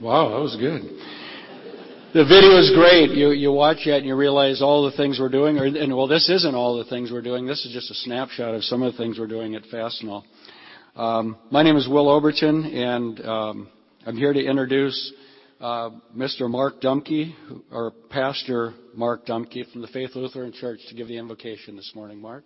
Wow, that was good. The video is great. You watch that and you realize all the things we're doing, and well, this isn't all the things we're doing. This is just a snapshot of some of the things we're doing at Fastenal. My name is Will Oberton, and I'm here to introduce Mr. Mark Dumke, or Pastor Mark Dumke from the Faith Lutheran Church, to give the invocation this morning. Mark?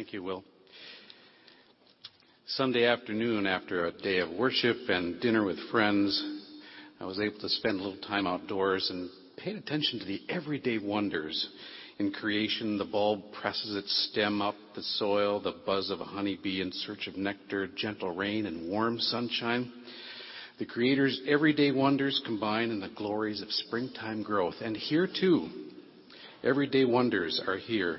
Thank you, Will. Sunday afternoon, after a day of worship and dinner with friends, I was able to spend a little time outdoors and paid attention to the everyday wonders in creation. The bulb presses its stem up the soil, the buzz of a honeybee in search of nectar, gentle rain, and warm sunshine. The Creator's everyday wonders combine in the glories of springtime growth. Here, too, everyday wonders are here.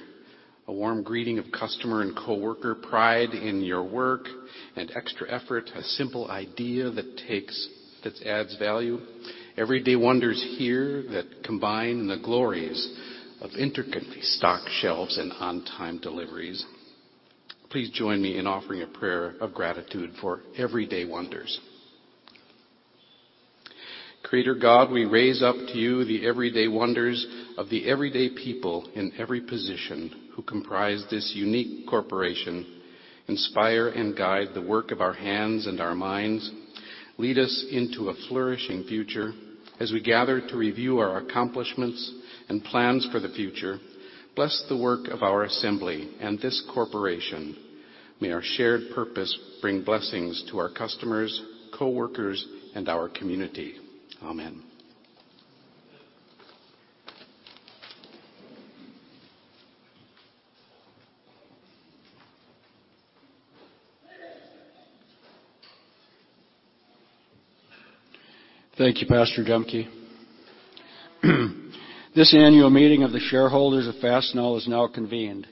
A warm greeting of customer and coworker, pride in your work and extra effort, a simple idea that adds value. Everyday wonders here that combine in the glories of intricately stocked shelves and on-time deliveries. Please join me in offering a prayer of gratitude for everyday wonders. Creator God, we raise up to you the everyday wonders of the everyday people in every position who comprise this unique corporation. Inspire and guide the work of our hands and our minds. Lead us into a flourishing future as we gather to review our accomplishments and plans for the future. Bless the work of our assembly and this corporation. May our shared purpose bring blessings to our customers, coworkers, and our community. Amen. Thank you, Pastor Dumke. This annual meeting of the shareholders of Fastenal is now convened.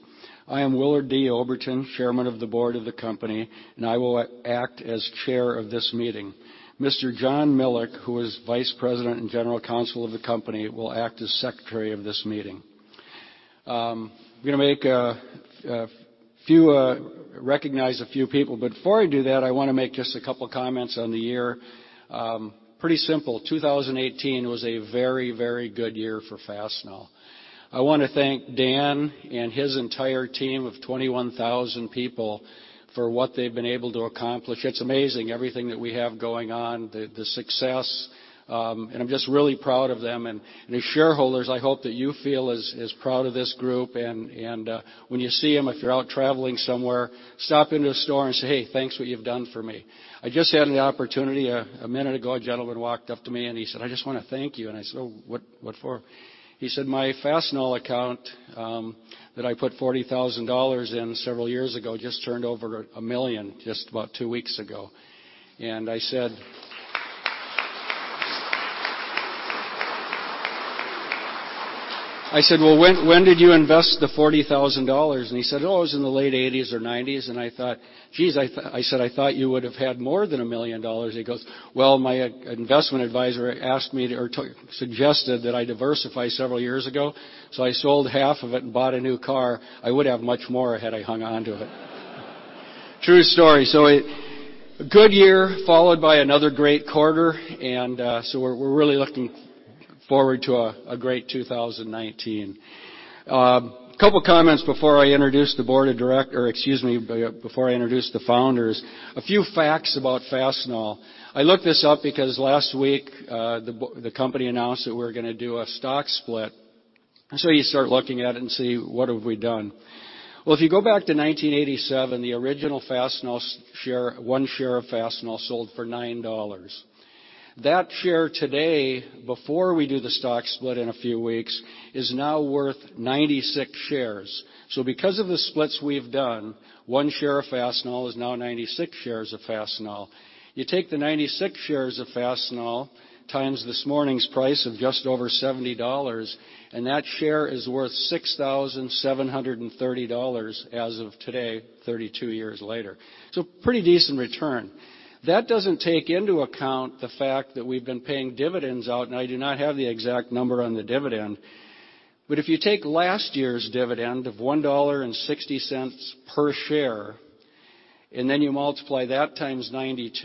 I am Willard D. Oberton, Chairman of the Board of the company, and I will act as Chair of this meeting. Mr. John Millick, who is Vice President and General Counsel of the company, will act as Secretary of this meeting. I'm going to recognize a few people, but before I do that, I want to make just a couple comments on the year. Pretty simple, 2018 was a very, very good year for Fastenal. I want to thank Dan and his entire team of 21,000 people for what they've been able to accomplish. It's amazing everything that we have going on, the success, and I'm just really proud of them. As shareholders, I hope that you feel as proud of this group. When you see them, if you're out traveling somewhere, stop into the store and say, "Hey, thanks what you've done for me." I just had an opportunity a minute ago. A gentleman walked up to me and he said, "I just want to thank you." I said, "Oh, what for?" He said, "My Fastenal account that I put $40,000 in several years ago just turned over $1 million just about 2 weeks ago." I said, "Well, when did you invest the $40,000?" He said, "Oh, it was in the late '80s or '90s." I thought, "Jeez." I said, "I thought you would have had more than $1 million." He goes, "Well, my investment advisor suggested that I diversify several years ago, so I sold half of it and bought a new car. I would have much more had I hung on to it." True story. A good year followed by another great quarter, we're really looking forward to a great 2019. A couple of comments before I introduce the founders. A few facts about Fastenal. I looked this up because last week the company announced that we're going to do a stock split. You start looking at it and see what have we done. If you go back to 1987, the original one share of Fastenal sold for $9. That share today, before we do the stock split in a few weeks, is now worth 96 shares. Because of the splits we've done, one share of Fastenal is now 96 shares of Fastenal. You take the 96 shares of Fastenal times this morning's price of just over $70, that share is worth $6,730 as of today, 32 years later. Pretty decent return. That doesn't take into account the fact that we've been paying dividends out, I do not have the exact number on the dividend. If you take last year's dividend of $1.60 per share and then you multiply that times 96,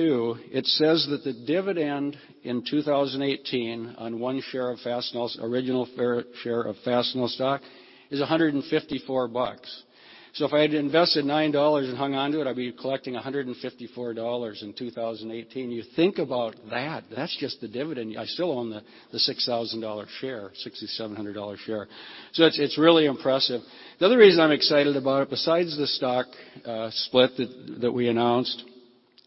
it says that the dividend in 2018 on one share of Fastenal's original share of Fastenal stock is $154. If I had invested $9 and hung onto it, I'd be collecting $154 in 2018. You think about that. That's just the dividend. I still own the $6,000 share, $6,700 share. It's really impressive. The other reason I'm excited about it, besides the stock split that we announced,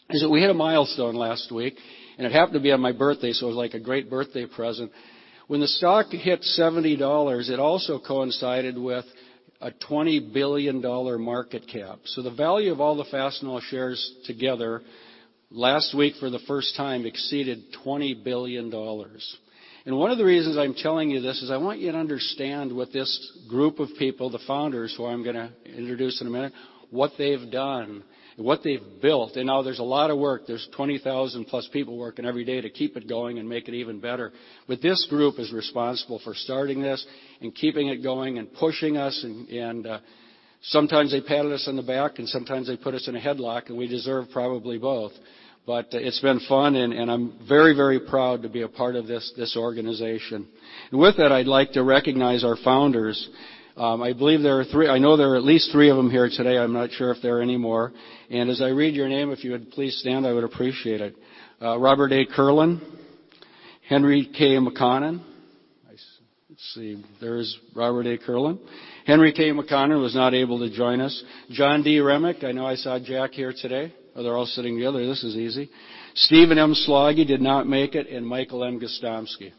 is that we hit a milestone last week, it happened to be on my birthday, it was like a great birthday present. When the stock hit $70, it also coincided with a $20 billion market cap. The value of all the Fastenal shares together last week for the first time exceeded $20 billion. One of the reasons I'm telling you this is I want you to understand what this group of people, the founders, who I'm going to introduce in a minute, what they've done and what they've built. Now there's a lot of work. There's 20,000-plus people working every day to keep it going and make it even better. This group is responsible for starting this and keeping it going and pushing us, and sometimes they patted us on the back, and sometimes they put us in a headlock, and we deserve probably both. It's been fun, and I'm very proud to be a part of this organization. With that, I'd like to recognize our founders. I know there are at least three of them here today. I'm not sure if there are any more. As I read your name, if you would please stand, I would appreciate it. Robert A. Kierlin, Henry K. McConnon. Let's see. There's Robert A. Kierlin. Henry K. McConnon was not able to join us. John D. Remick, I know I saw Jack here today. Oh, they're all sitting together. This is easy. Stephen M. Slaggie did not make it, and Michael M. Gostomski.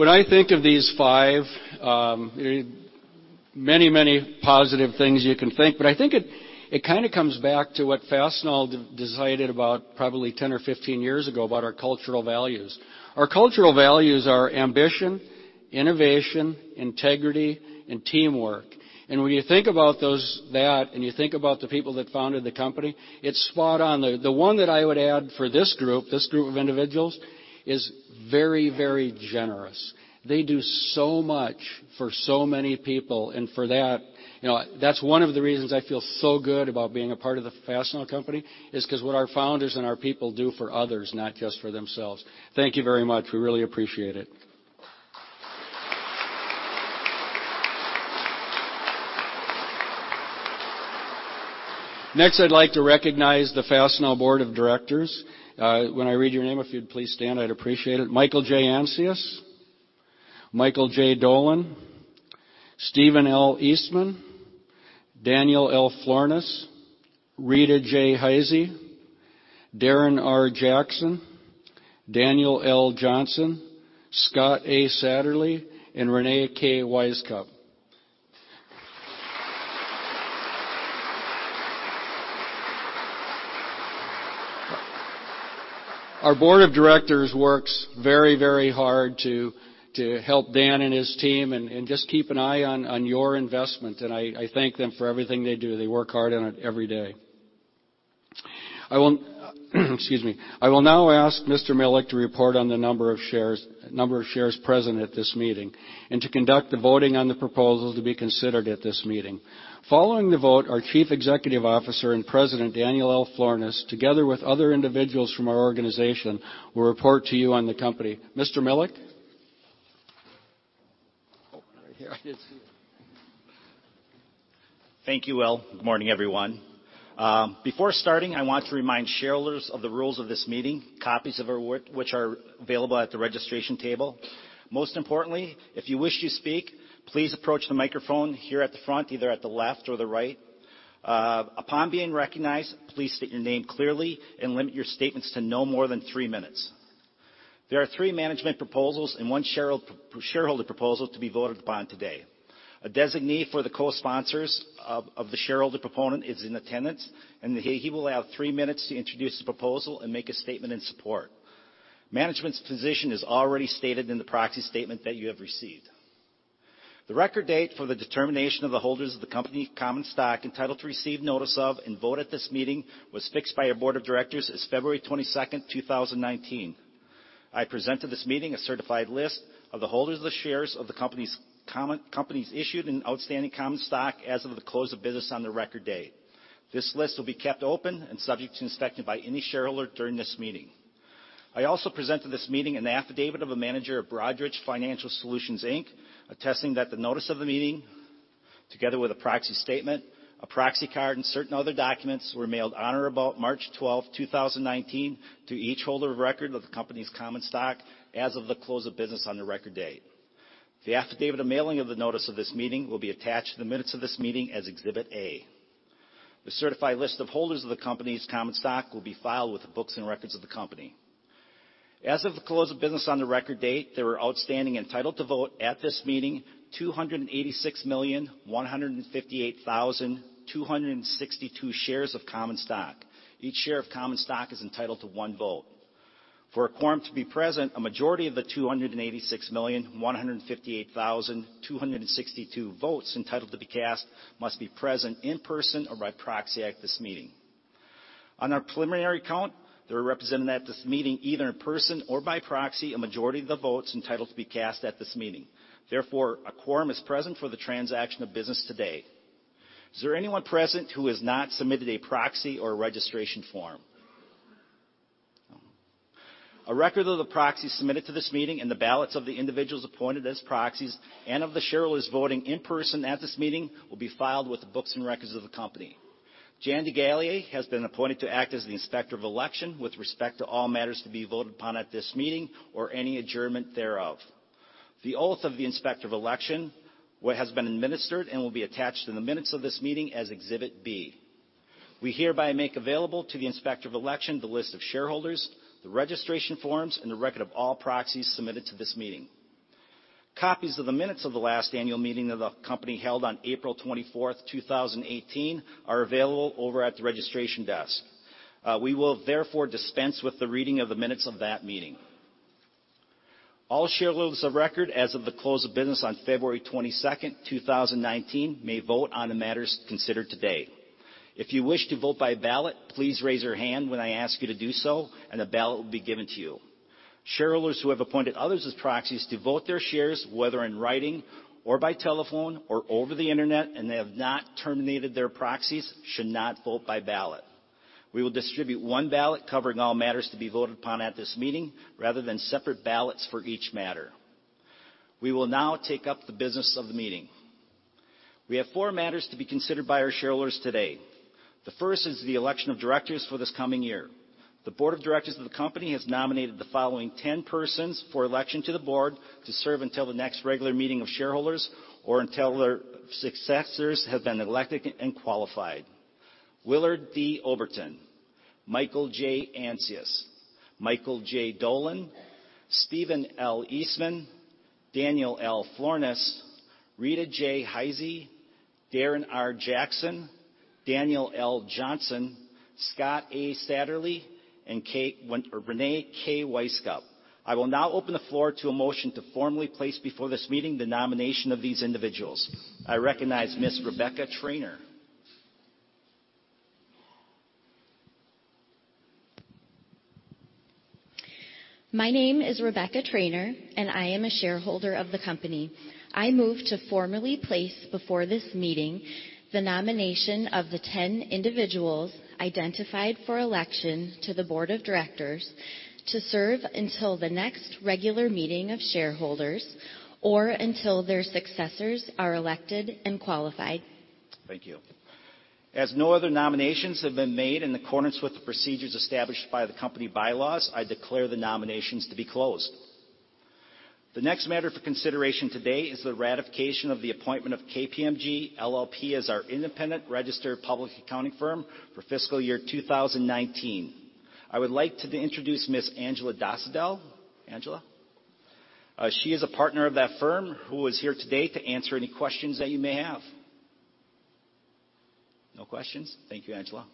When I think of these five, many positive things you can think, but I think it comes back to what Fastenal decided about probably 10 or 15 years ago about our cultural values. Our cultural values are ambition, innovation, integrity, and teamwork. When you think about that and you think about the people that founded the company, it's spot on. The one that I would add for this group of individuals is very generous. They do so much for so many people, and for that's one of the reasons I feel so good about being a part of the Fastenal Company is because what our founders and our people do for others, not just for themselves. Thank you very much. We really appreciate it. Next, I'd like to recognize the Fastenal Board of Directors. When I read your name, if you'd please stand, I'd appreciate it. Michael J. Ancius, Michael J. Dolan, Stephen L. Eastman, Daniel L. Florness, Rita J. Heise, Darren R. Jackson, Daniel L. Johnson, Scott A. Satterlee, and Reyne K. Wisecup. Our Board of Directors works very hard to help Dan and his team and just keep an eye on your investment, and I thank them for everything they do. They work hard on it every day. Excuse me. I will now ask Mr. Millick to report on the number of shares present at this meeting and to conduct the voting on the proposals to be considered at this meeting. Following the vote, our Chief Executive Officer and President, Daniel L. Florness, together with other individuals from our organization, will report to you on the company. Mr. Milek? Right here. I didn't see you. Thank you, Will. Good morning, everyone. Before starting, I want to remind shareholders of the rules of this meeting, copies of which are available at the registration table. Most importantly, if you wish to speak, please approach the microphone here at the front, either at the left or the right. Upon being recognized, please state your name clearly and limit your statements to no more than three minutes. There are three management proposals and one shareholder proposal to be voted upon today. A designee for the co-sponsors of the shareholder proponent is in attendance, and he will have three minutes to introduce the proposal and make a statement in support. Management's position is already stated in the proxy statement that you have received. The record date for the determination of the holders of the company common stock entitled to receive notice of and vote at this meeting was fixed by our board of directors as February 22nd, 2019. I present to this meeting a certified list of the holders of the shares of the company's issued and outstanding common stock as of the close of business on the record date. This list will be kept open and subject to inspection by any shareholder during this meeting. I also present to this meeting an affidavit of a manager of Broadridge Financial Solutions, Inc., attesting that the notice of the meeting, together with a proxy statement, a proxy card, and certain other documents, were mailed on or about March 12, 2019, to each holder of record of the company's common stock as of the close of business on the record date. The affidavit of mailing of the notice of this meeting will be attached to the minutes of this meeting as Exhibit A. The certified list of holders of the company's common stock will be filed with the books and records of the company. As of the close of business on the record date, there were outstanding entitled to vote at this meeting, 286,158,262 shares of common stock. Each share of common stock is entitled to one vote. For a quorum to be present, a majority of the 286,158,262 votes entitled to be cast must be present in person or by proxy at this meeting. On our preliminary count, there are represented at this meeting, either in person or by proxy, a majority of the votes entitled to be cast at this meeting. Therefore, a quorum is present for the transaction of business today. Is there anyone present who has not submitted a proxy or registration form? No. A record of the proxies submitted to this meeting and the ballots of the individuals appointed as proxies and of the shareholders voting in person at this meeting will be filed with the books and records of the company. Jan Dégallier has been appointed to act as the Inspector of Election with respect to all matters to be voted upon at this meeting or any adjournment thereof. The oath of the Inspector of Election has been administered and will be attached in the minutes of this meeting as Exhibit B. We hereby make available to the Inspector of Election the list of shareholders, the registration forms, and the record of all proxies submitted to this meeting. Copies of the minutes of the last annual meeting of the company held on April 24th, 2018, are available over at the registration desk. We will therefore dispense with the reading of the minutes of that meeting. All shareholders of record as of the close of business on February 22nd, 2019, may vote on the matters considered today. If you wish to vote by ballot, please raise your hand when I ask you to do so, and a ballot will be given to you. Shareholders who have appointed others as proxies to vote their shares, whether in writing or by telephone or over the internet, and they have not terminated their proxies, should not vote by ballot. We will distribute one ballot covering all matters to be voted upon at this meeting rather than separate ballots for each matter. We will now take up the business of the meeting. We have four matters to be considered by our shareholders today. The first is the election of directors for this coming year. The board of directors of the company has nominated the following 10 persons for election to the board to serve until the next regular meeting of shareholders or until their successors have been elected and qualified. Willard D. Oberton, Michael J. Ancius, Michael J. Dolan, Stephen L. Eastman, Daniel L. Florness, Rita J. Heise, Darren R. Jackson, Daniel L. Johnson, Scott A. Satterlee, and Reyne K. Wisecup. I will now open the floor to a motion to formally place before this meeting the nomination of these individuals. I recognize Ms. Rebecca Trainer. My name is Rebecca Trainer, I am a shareholder of the company. I move to formally place before this meeting the nomination of the 10 individuals identified for election to the board of directors to serve until the next regular meeting of shareholders or until their successors are elected and qualified. Thank you. As no other nominations have been made in accordance with the procedures established by the company bylaws, I declare the nominations to be closed. The next matter for consideration today is the ratification of the appointment of KPMG LLP as our independent registered public accounting firm for fiscal year 2019. I would like to introduce Ms. Angela Dosedel. Angela? She is a partner of that firm who is here today to answer any questions that you may have. No questions. Thank you, Angela.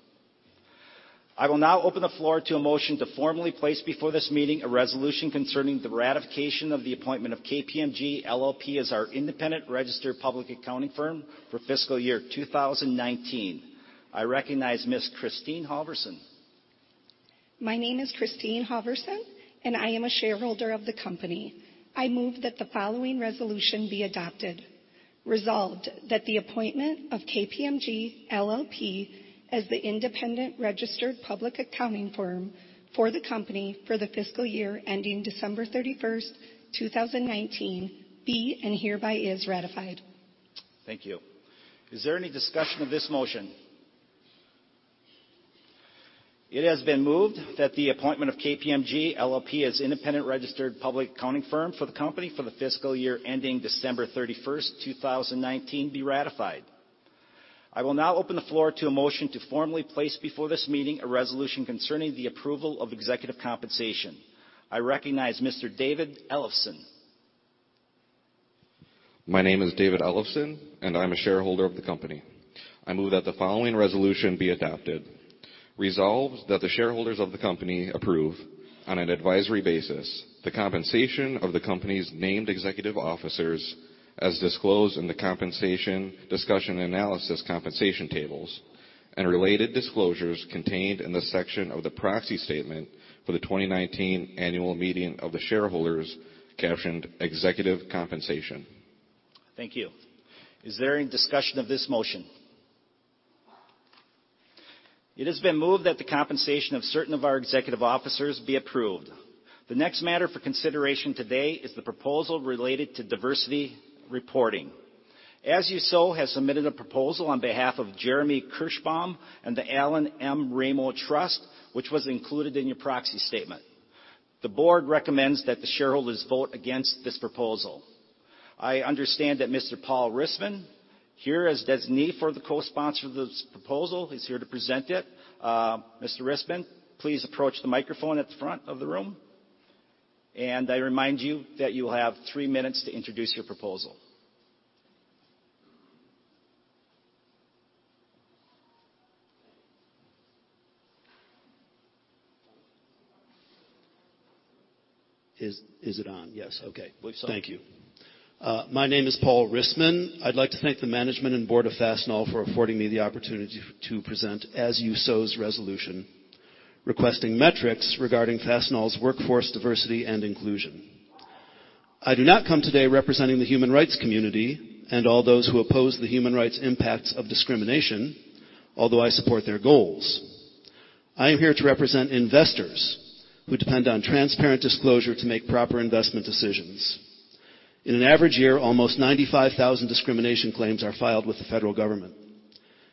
I will now open the floor to a motion to formally place before this meeting a resolution concerning the ratification of the appointment of KPMG LLP as our independent registered public accounting firm for fiscal year 2019. I recognize Ms. Christine Halverson. My name is Christine Halverson, I am a shareholder of the company. I move that the following resolution be adopted. Resolved that the appointment of KPMG LLP as the independent registered public accounting firm for the company for the fiscal year ending December 31st, 2019, be and hereby is ratified. Thank you. Is there any discussion of this motion? It has been moved that the appointment of KPMG LLP as independent registered public accounting firm for the company for the fiscal year ending December 31st, 2019, be ratified. I will now open the floor to a motion to formally place before this meeting a resolution concerning the approval of executive compensation. I recognize Mr. David Ellefson. My name is David Ellefson, and I'm a shareholder of the company. I move that the following resolution be adopted. Resolves that the shareholders of the company approve, on an advisory basis, the compensation of the company's named executive officers as disclosed in the compensation discussion analysis compensation tables and related disclosures contained in the section of the proxy statement for the 2019 annual meeting of the shareholders captioned executive compensation. Thank you. Is there any discussion of this motion? It has been moved that the compensation of certain of our executive officers be approved. The next matter for consideration today is the proposal related to diversity reporting. As You Sow has submitted a proposal on behalf of Jeremy Kirschbaum and the Allen M. Ramo Trust, which was included in your proxy statement. The board recommends that the shareholders vote against this proposal. I understand that Mr. Paul Rissman, here as designee for the co-sponsor of this proposal, is here to present it. Mr. Rissman, please approach the microphone at the front of the room. I remind you that you will have three minutes to introduce your proposal. Is it on? Yes. Okay. Believe so. Thank you. My name is Paul Rissman. I'd like to thank the management and board of Fastenal for affording me the opportunity to present As You Sow's resolution, requesting metrics regarding Fastenal's workforce diversity and inclusion. I do not come today representing the human rights community and all those who oppose the human rights impacts of discrimination, although I support their goals. I am here to represent investors who depend on transparent disclosure to make proper investment decisions. In an average year, almost 95,000 discrimination claims are filed with the federal government.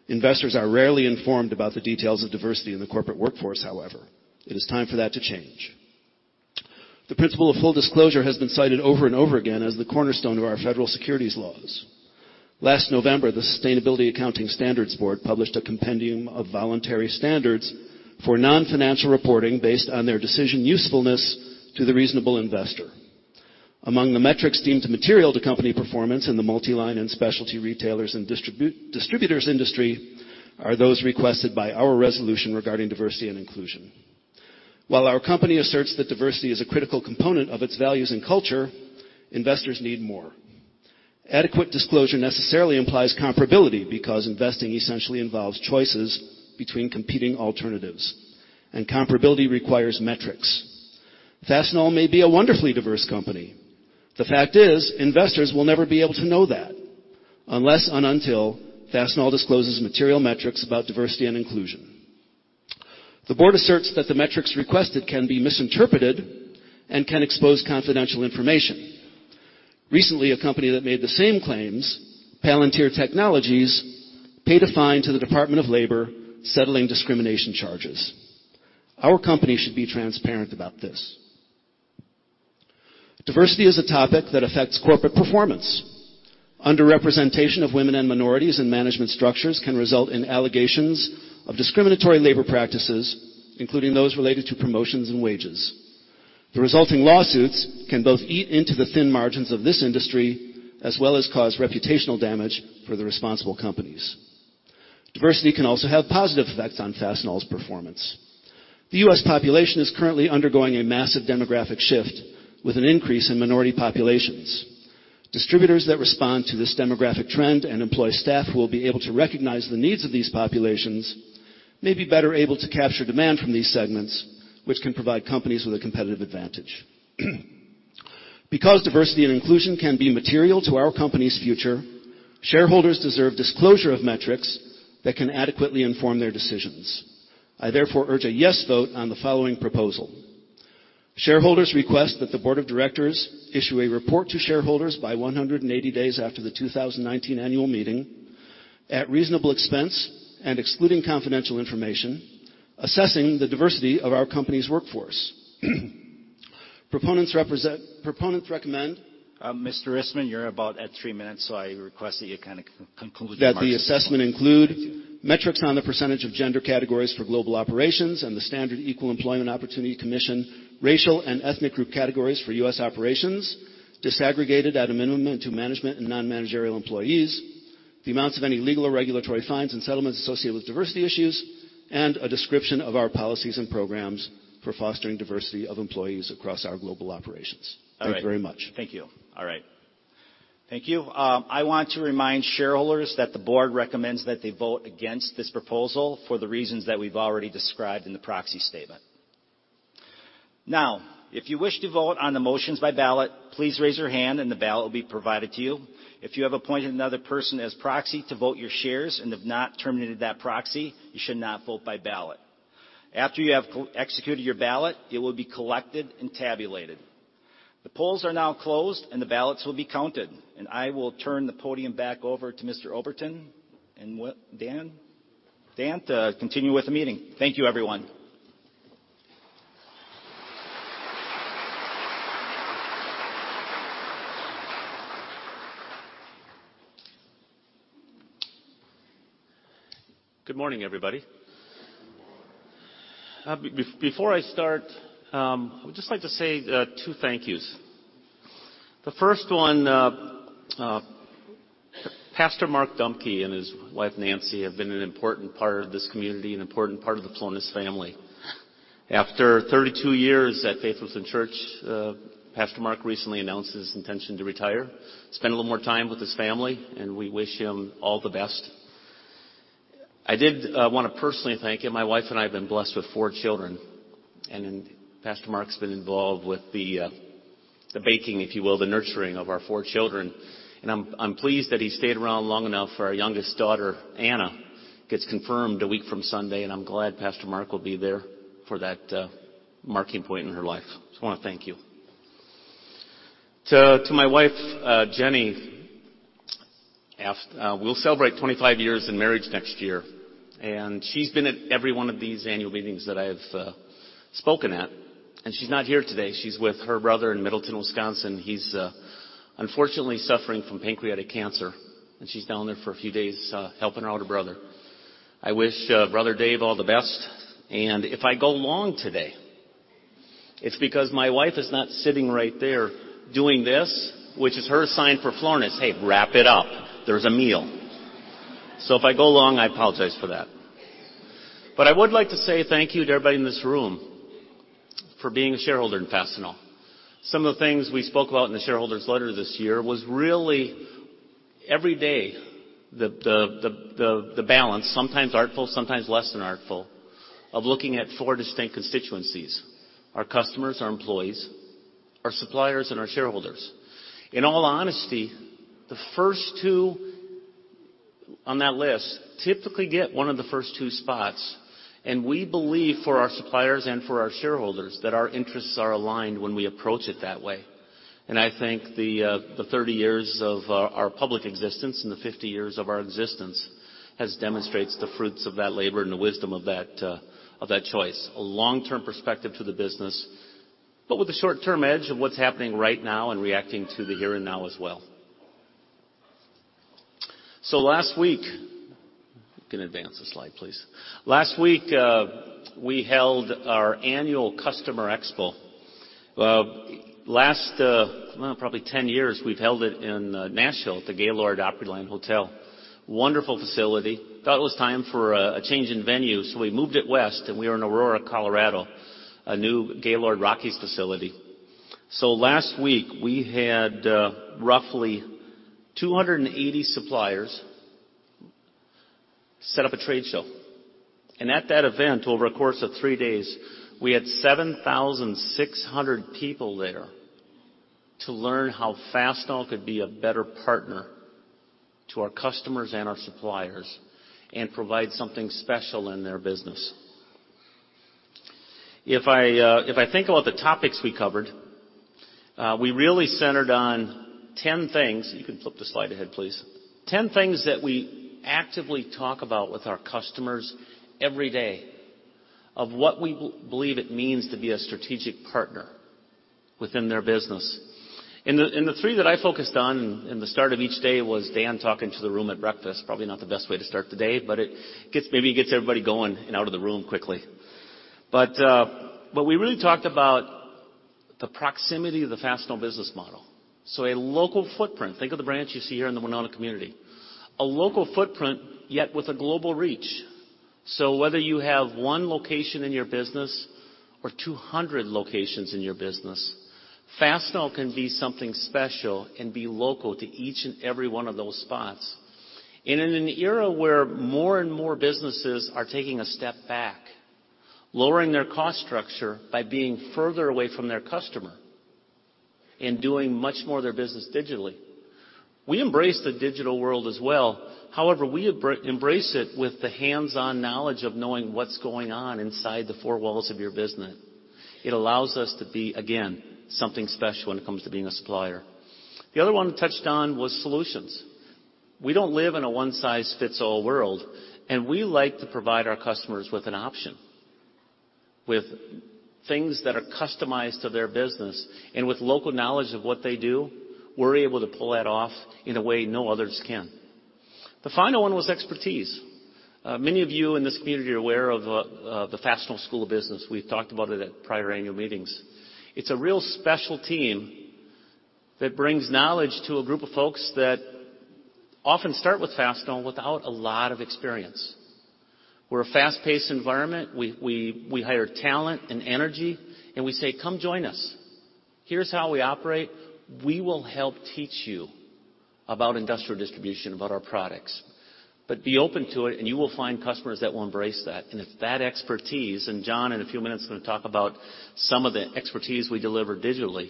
Investors are rarely informed about the details of diversity in the corporate workforce, however. It is time for that to change. The principle of full disclosure has been cited over and over again as the cornerstone of our federal securities laws. Last November, the Sustainability Accounting Standards Board published a compendium of voluntary standards for non-financial reporting based on their decision usefulness to the reasonable investor. Among the metrics deemed material to company performance in the multi-line and specialty retailers and distributors industry are those requested by our resolution regarding diversity and inclusion. While our company asserts that diversity is a critical component of its values and culture, investors need more. Adequate disclosure necessarily implies comparability because investing essentially involves choices between competing alternatives, and comparability requires metrics. Fastenal may be a wonderfully diverse company. The fact is, investors will never be able to know that unless and until Fastenal discloses material metrics about diversity and inclusion. The board asserts that the metrics requested can be misinterpreted and can expose confidential information. Recently, a company that made the same claims, Palantir Technologies, paid a fine to the Department of Labor, settling discrimination charges. Our company should be transparent about this. Diversity is a topic that affects corporate performance. Under-representation of women and minorities in management structures can result in allegations of discriminatory labor practices, including those related to promotions and wages. The resulting lawsuits can both eat into the thin margins of this industry, as well as cause reputational damage for the responsible companies. Diversity can also have positive effects on Fastenal's performance. The U.S. population is currently undergoing a massive demographic shift with an increase in minority populations. Distributors that respond to this demographic trend and employ staff who will be able to recognize the needs of these populations may be better able to capture demand from these segments, which can provide companies with a competitive advantage. Because diversity and inclusion can be material to our company's future, shareholders deserve disclosure of metrics that can adequately inform their decisions. I therefore urge a yes vote on the following proposal. Shareholders request that the board of directors issue a report to shareholders by 180 days after the 2019 annual meeting at reasonable expense and excluding confidential information, assessing the diversity of our company's workforce. Proponents recommend- Mr. Rissman, you're about at three minutes, I request that you kinda conclude your remarks. That the assessment include metrics on the percentage of gender categories for global operations and the standard Equal Employment Opportunity Commission, racial and ethnic group categories for U.S. operations, disaggregated at a minimum, to management and non-managerial employees, the amounts of any legal or regulatory fines and settlements associated with diversity issues, and a description of our policies and programs for fostering diversity of employees across our global operations. All right. Thank you very much. Thank you. All right. Thank you. I want to remind shareholders that the board recommends that they vote against this proposal for the reasons that we've already described in the proxy statement. If you wish to vote on the motions by ballot, please raise your hand and the ballot will be provided to you. If you have appointed another person as proxy to vote your shares and have not terminated that proxy, you should not vote by ballot. After you have executed your ballot, it will be collected and tabulated. The polls are now closed, the ballots will be counted. I will turn the podium back over to Mr. Oberton and Dan to continue with the meeting. Thank you, everyone. Good morning, everybody. Good morning. Before I start, I would just like to say two thank yous. The first one, Pastor Mark Dumke and his wife, Nancy, have been an important part of this community, an important part of the Florness family. After 32 years at Faith Lutheran Church, Pastor Mark recently announced his intention to retire, spend a little more time with his family, and we wish him all the best. I did wanna personally thank him. My wife and I have been blessed with four children, and Pastor Mark's been involved with the baking, if you will, the nurturing of our four children, and I'm pleased that he stayed around long enough for our youngest daughter, Anna, gets confirmed a week from Sunday, and I'm glad Pastor Mark will be there for that marking point in her life. I wanna thank you. To my wife, Jenny, we'll celebrate 25 years in marriage next year, she's been at every one of these annual meetings that I've spoken at, she's not here today. She's with her brother in Middleton, Wisconsin. He's unfortunately suffering from pancreatic cancer, she's down there for a few days, helping her older brother. I wish Brother Dave all the best. If I go long today, it's because my wife is not sitting right there doing this, which is her sign for Florness, "Hey, wrap it up. There's a meal." If I go long, I apologize for that. I would like to say thank you to everybody in this room for being a shareholder in Fastenal. Some of the things we spoke about in the shareholder's letter this year was really every day the balance, sometimes artful, sometimes less than artful, of looking at four distinct constituencies: our customers, our employees, our suppliers, and our shareholders. In all honesty, the first two on that list typically get one of the first two spots, and we believe for our suppliers and for our shareholders that our interests are aligned when we approach it that way. I think the 30 years of our public existence and the 50 years of our existence has demonstrates the fruits of that labor and the wisdom of that choice. A long-term perspective to the business, but with the short-term edge of what's happening right now and reacting to the here and now as well. Last week You can advance the slide, please. Last week, we held our annual customer expo. Well, probably 10 years, we've held it in Nashville at the Gaylord Opryland Hotel. Wonderful facility. Thought it was time for a change in venue, we moved it west, and we are in Aurora, Colorado, a new Gaylord Rockies facility. Last week, we had roughly 280 suppliers set up a trade show, and at that event, over a course of three days, we had 7,600 people there to learn how Fastenal could be a better partner to our customers and our suppliers and provide something special in their business. If I think about the topics we covered, we really centered on 10 things. You can flip the slide ahead, please. 10 things that we actively talk about with our customers every day of what we believe it means to be a strategic partner within their business. The three that I focused on in the start of each day was Dan talking to the room at breakfast. Probably not the best way to start the day, but it maybe gets everybody going and out of the room quickly. We really talked about the proximity of the Fastenal business model. A local footprint. Think of the branch you see here in the Winona community. A local footprint, yet with a global reach. Whether you have one location in your business or 200 locations in your business, Fastenal can be something special and be local to each and every one of those spots. In an era where more and more businesses are taking a step back, lowering their cost structure by being further away from their customer and doing much more of their business digitally, we embrace the digital world as well. However, we embrace it with the hands-on knowledge of knowing what's going on inside the four walls of your business. It allows us to be, again, something special when it comes to being a supplier. The other one we touched on was solutions. We don't live in a one-size-fits-all world, and we like to provide our customers with an option, with things that are customized to their business, and with local knowledge of what they do, we're able to pull that off in a way no others can. The final one was expertise. Many of you in this community are aware of the Fastenal School of Business. We've talked about it at prior annual meetings. It's a real special team that brings knowledge to a group of folks that often start with Fastenal without a lot of experience. We're a fast-paced environment. We hire talent and energy, and we say, "Come join us. Here's how we operate. We will help teach you about industrial distribution, about our products." Be open to it, and you will find customers that will embrace that. It's that expertise, and John, in a few minutes, is gonna talk about some of the expertise we deliver digitally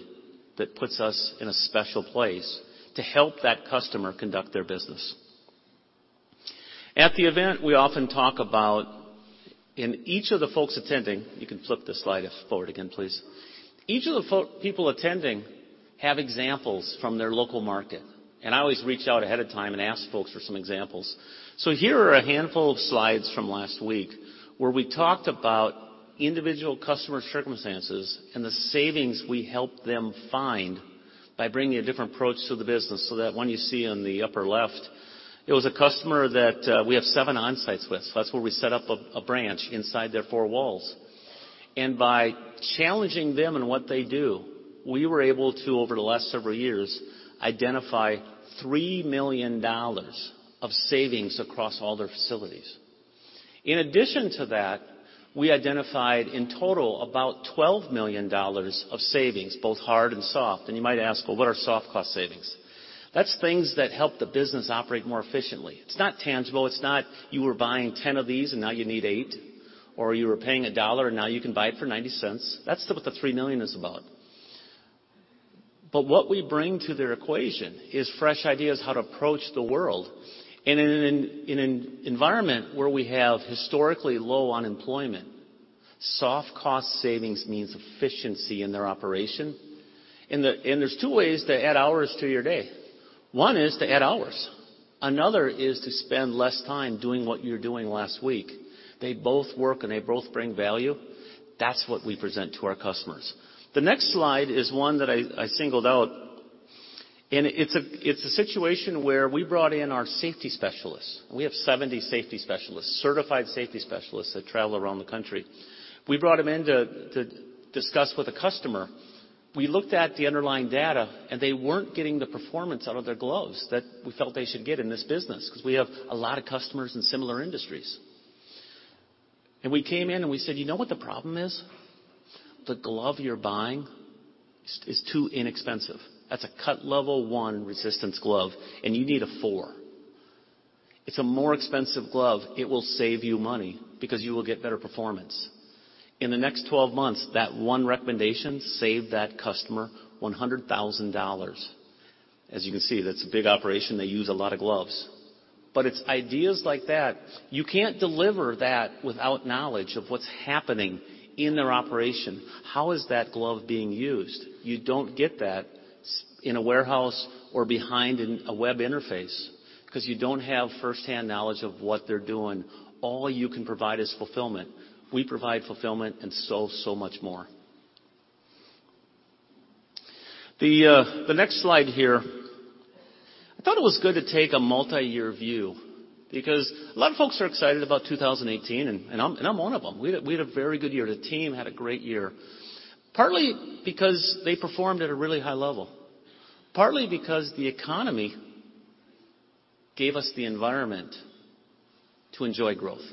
that puts us in a special place to help that customer conduct their business. At the event, we often talk about in each of the folks attending You can flip the slide forward again, please. Each of the people attending have examples from their local market, I always reach out ahead of time and ask folks for some examples. Here are a handful of slides from last week where we talked about individual customer circumstances and the savings we helped them find by bringing a different approach to the business. That one you see in the upper left, it was a customer that we have seven Onsites with. That's where we set up a branch inside their four walls. By challenging them in what they do, we were able to, over the last several years, identify $3 million of savings across all their facilities. We identified, in total, about $12 million of savings, both hard and soft. You might ask, "Well, what are soft cost savings?" That's things that help the business operate more efficiently. It's not tangible. It's not you were buying 10 of these, and now you need eight, or you were paying $1, and now you can buy it for $0.90. That's what the $3 million is about. What we bring to their equation is fresh ideas how to approach the world. In an environment where we have historically low unemployment, soft cost savings means efficiency in their operation. There's two ways to add hours to your day. One is to add hours. Another is to spend less time doing what you were doing last week. They both work, and they both bring value. That's what we present to our customers. The next slide is one that I singled out. It's a situation where we brought in our safety specialists. We have 70 safety specialists, certified safety specialists that travel around the country. We brought them in to discuss with a customer. We looked at the underlying data. They weren't getting the performance out of their gloves that we felt they should get in this business because we have a lot of customers in similar industries. We came in, and we said, "You know what the problem is? The glove you're buying is too inexpensive. That's a cut level 1 resistance glove, and you need a 4. It's a more expensive glove. It will save you money because you will get better performance." In the next 12 months, that one recommendation saved that customer $100,000. As you can see, that's a big operation. They use a lot of gloves. It's ideas like that, you can't deliver that without knowledge of what's happening in their operation. How is that glove being used? You don't get that in a warehouse or behind a web interface because you don't have first-hand knowledge of what they're doing. All you can provide is fulfillment. We provide fulfillment and so much more. The next slide here, I thought it was good to take a multi-year view because a lot of folks are excited about 2018. I'm one of them. We had a very good year. The team had a great year, partly because they performed at a really high level. Partly because the economy gave us the environment to enjoy growth.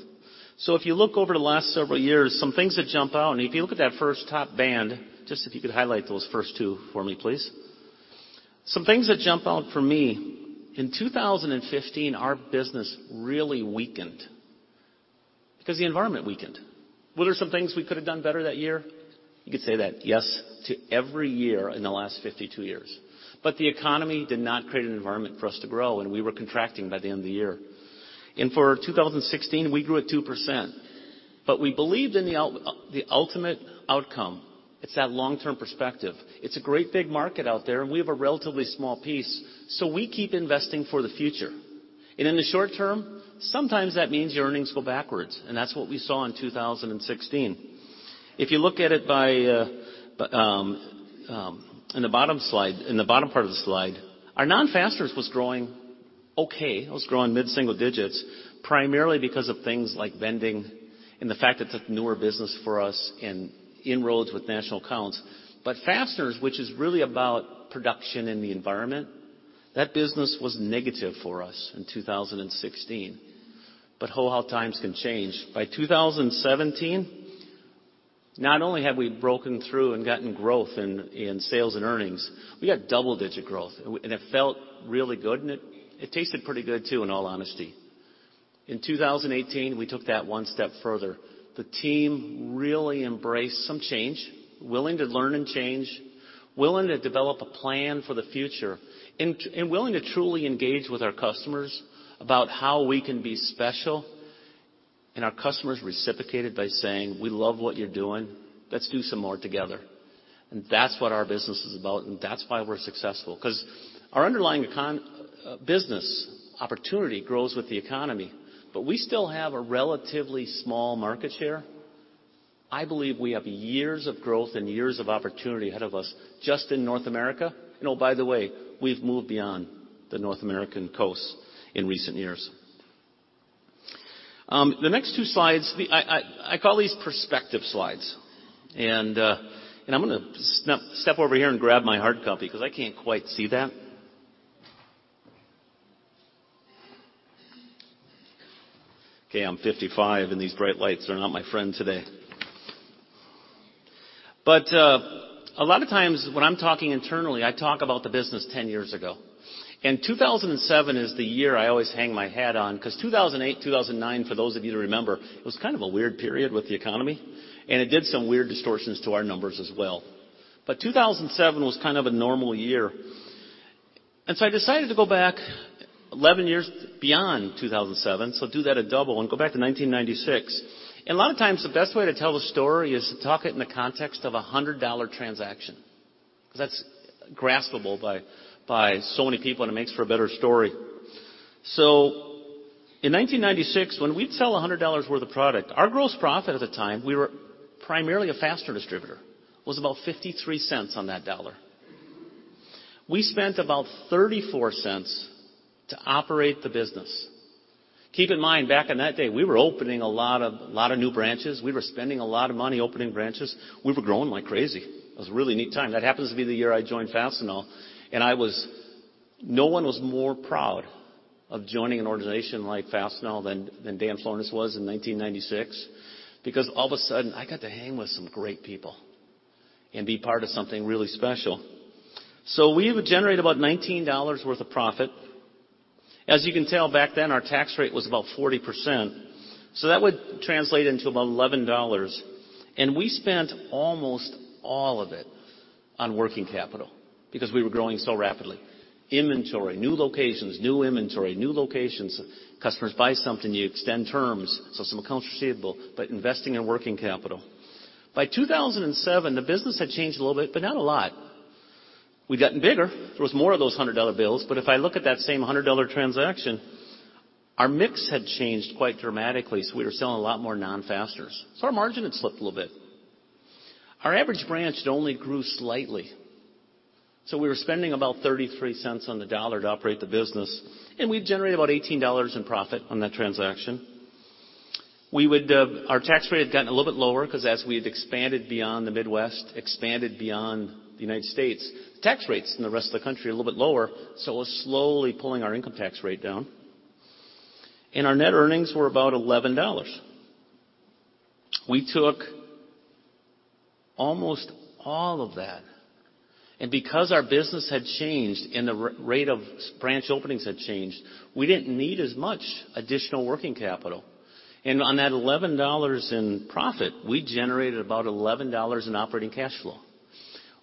If you look over the last several years, some things that jump out. If you look at that first top band, just if you could highlight those first two for me, please. Some things that jump out for me, in 2015, our business really weakened because the environment weakened. Were there some things we could have done better that year? You could say that, yes, to every year in the last 52 years. The economy did not create an environment for us to grow, and we were contracting by the end of the year. For 2016, we grew at 2%, but we believed in the ultimate outcome. It's that long-term perspective. It's a great big market out there, and we have a relatively small piece. We keep investing for the future. In the short term, sometimes that means your earnings go backwards, and that's what we saw in 2016. If you look at it in the bottom part of the slide, our non-fasteners was growing okay. It was growing mid-single digits, primarily because of things like vending and the fact it's a newer business for us and inroads with national accounts. Fasteners, which is really about production and the environment, that business was negative for us in 2016. How times can change. By 2017, not only had we broken through and gotten growth in sales and earnings, we got double-digit growth, and it felt really good, and it tasted pretty good too, in all honesty. In 2018, we took that one step further. The team really embraced some change, willing to learn and change, willing to develop a plan for the future, and willing to truly engage with our customers about how we can be special, and our customers reciprocated by saying, "We love what you're doing. Let's do some more together." That's what our business is about, and that's why we're successful. Because our underlying business opportunity grows with the economy, but we still have a relatively small market share. I believe we have years of growth and years of opportunity ahead of us just in North America. Oh, by the way, we've moved beyond the North American coast in recent years. The next two slides, I call these perspective slides. I'm gonna step over here and grab my hard copy because I can't quite see that. Okay, I'm 55, and these bright lights are not my friend today. A lot of times when I'm talking internally, I talk about the business 10 years ago. 2007 is the year I always hang my hat on because 2008, 2009, for those of you who remember, it was kind of a weird period with the economy, and it did some weird distortions to our numbers as well. 2007 was kind of a normal year. I decided to go back 11 years beyond 2007, so do that a double and go back to 1996. A lot of times, the best way to tell the story is to talk it in the context of a 100-dollar transaction. Because that's graspable by so many people, and it makes for a better story. In 1996, when we'd sell $100 worth of product, our gross profit at the time, we were primarily a fastener distributor, was about $0.53 on that dollar. We spent about $0.34 to operate the business. Keep in mind, back in that day, we were opening a lot of new branches. We were spending a lot of money opening branches. We were growing like crazy. It was a really neat time. That happens to be the year I joined Fastenal, and no one was more proud of joining an organization like Fastenal than Dan Florness was in 1996. Because all of a sudden, I got to hang with some great people and be part of something really special. We would generate about $19 worth of profit. As you can tell, back then, our tax rate was about 40%, so that would translate into about $11. We spent almost all of it on working capital because we were growing so rapidly. Inventory, new locations, new inventory, new locations. Customers buy something, you extend terms, so some accounts receivable, but investing in working capital. By 2007, the business had changed a little bit, but not a lot. We'd gotten bigger. There was more of those $100 bills, but if I look at that same $100 transaction, our mix had changed quite dramatically. We were selling a lot more non-fasteners. Our margin had slipped a little bit. Our average branch had only grew slightly, so we were spending about $0.33 on the dollar to operate the business, and we'd generate about $18 in profit on that transaction. Our tax rate had gotten a little bit lower because, as we had expanded beyond the Midwest, expanded beyond the U.S., tax rates in the rest of the country are a little bit lower, so it was slowly pulling our income tax rate down. Our net earnings were about $11. We took almost all of that. Because our business had changed and the rate of branch openings had changed, we didn't need as much additional working capital. On that $11 in profit, we generated about $11 in operating cash flow.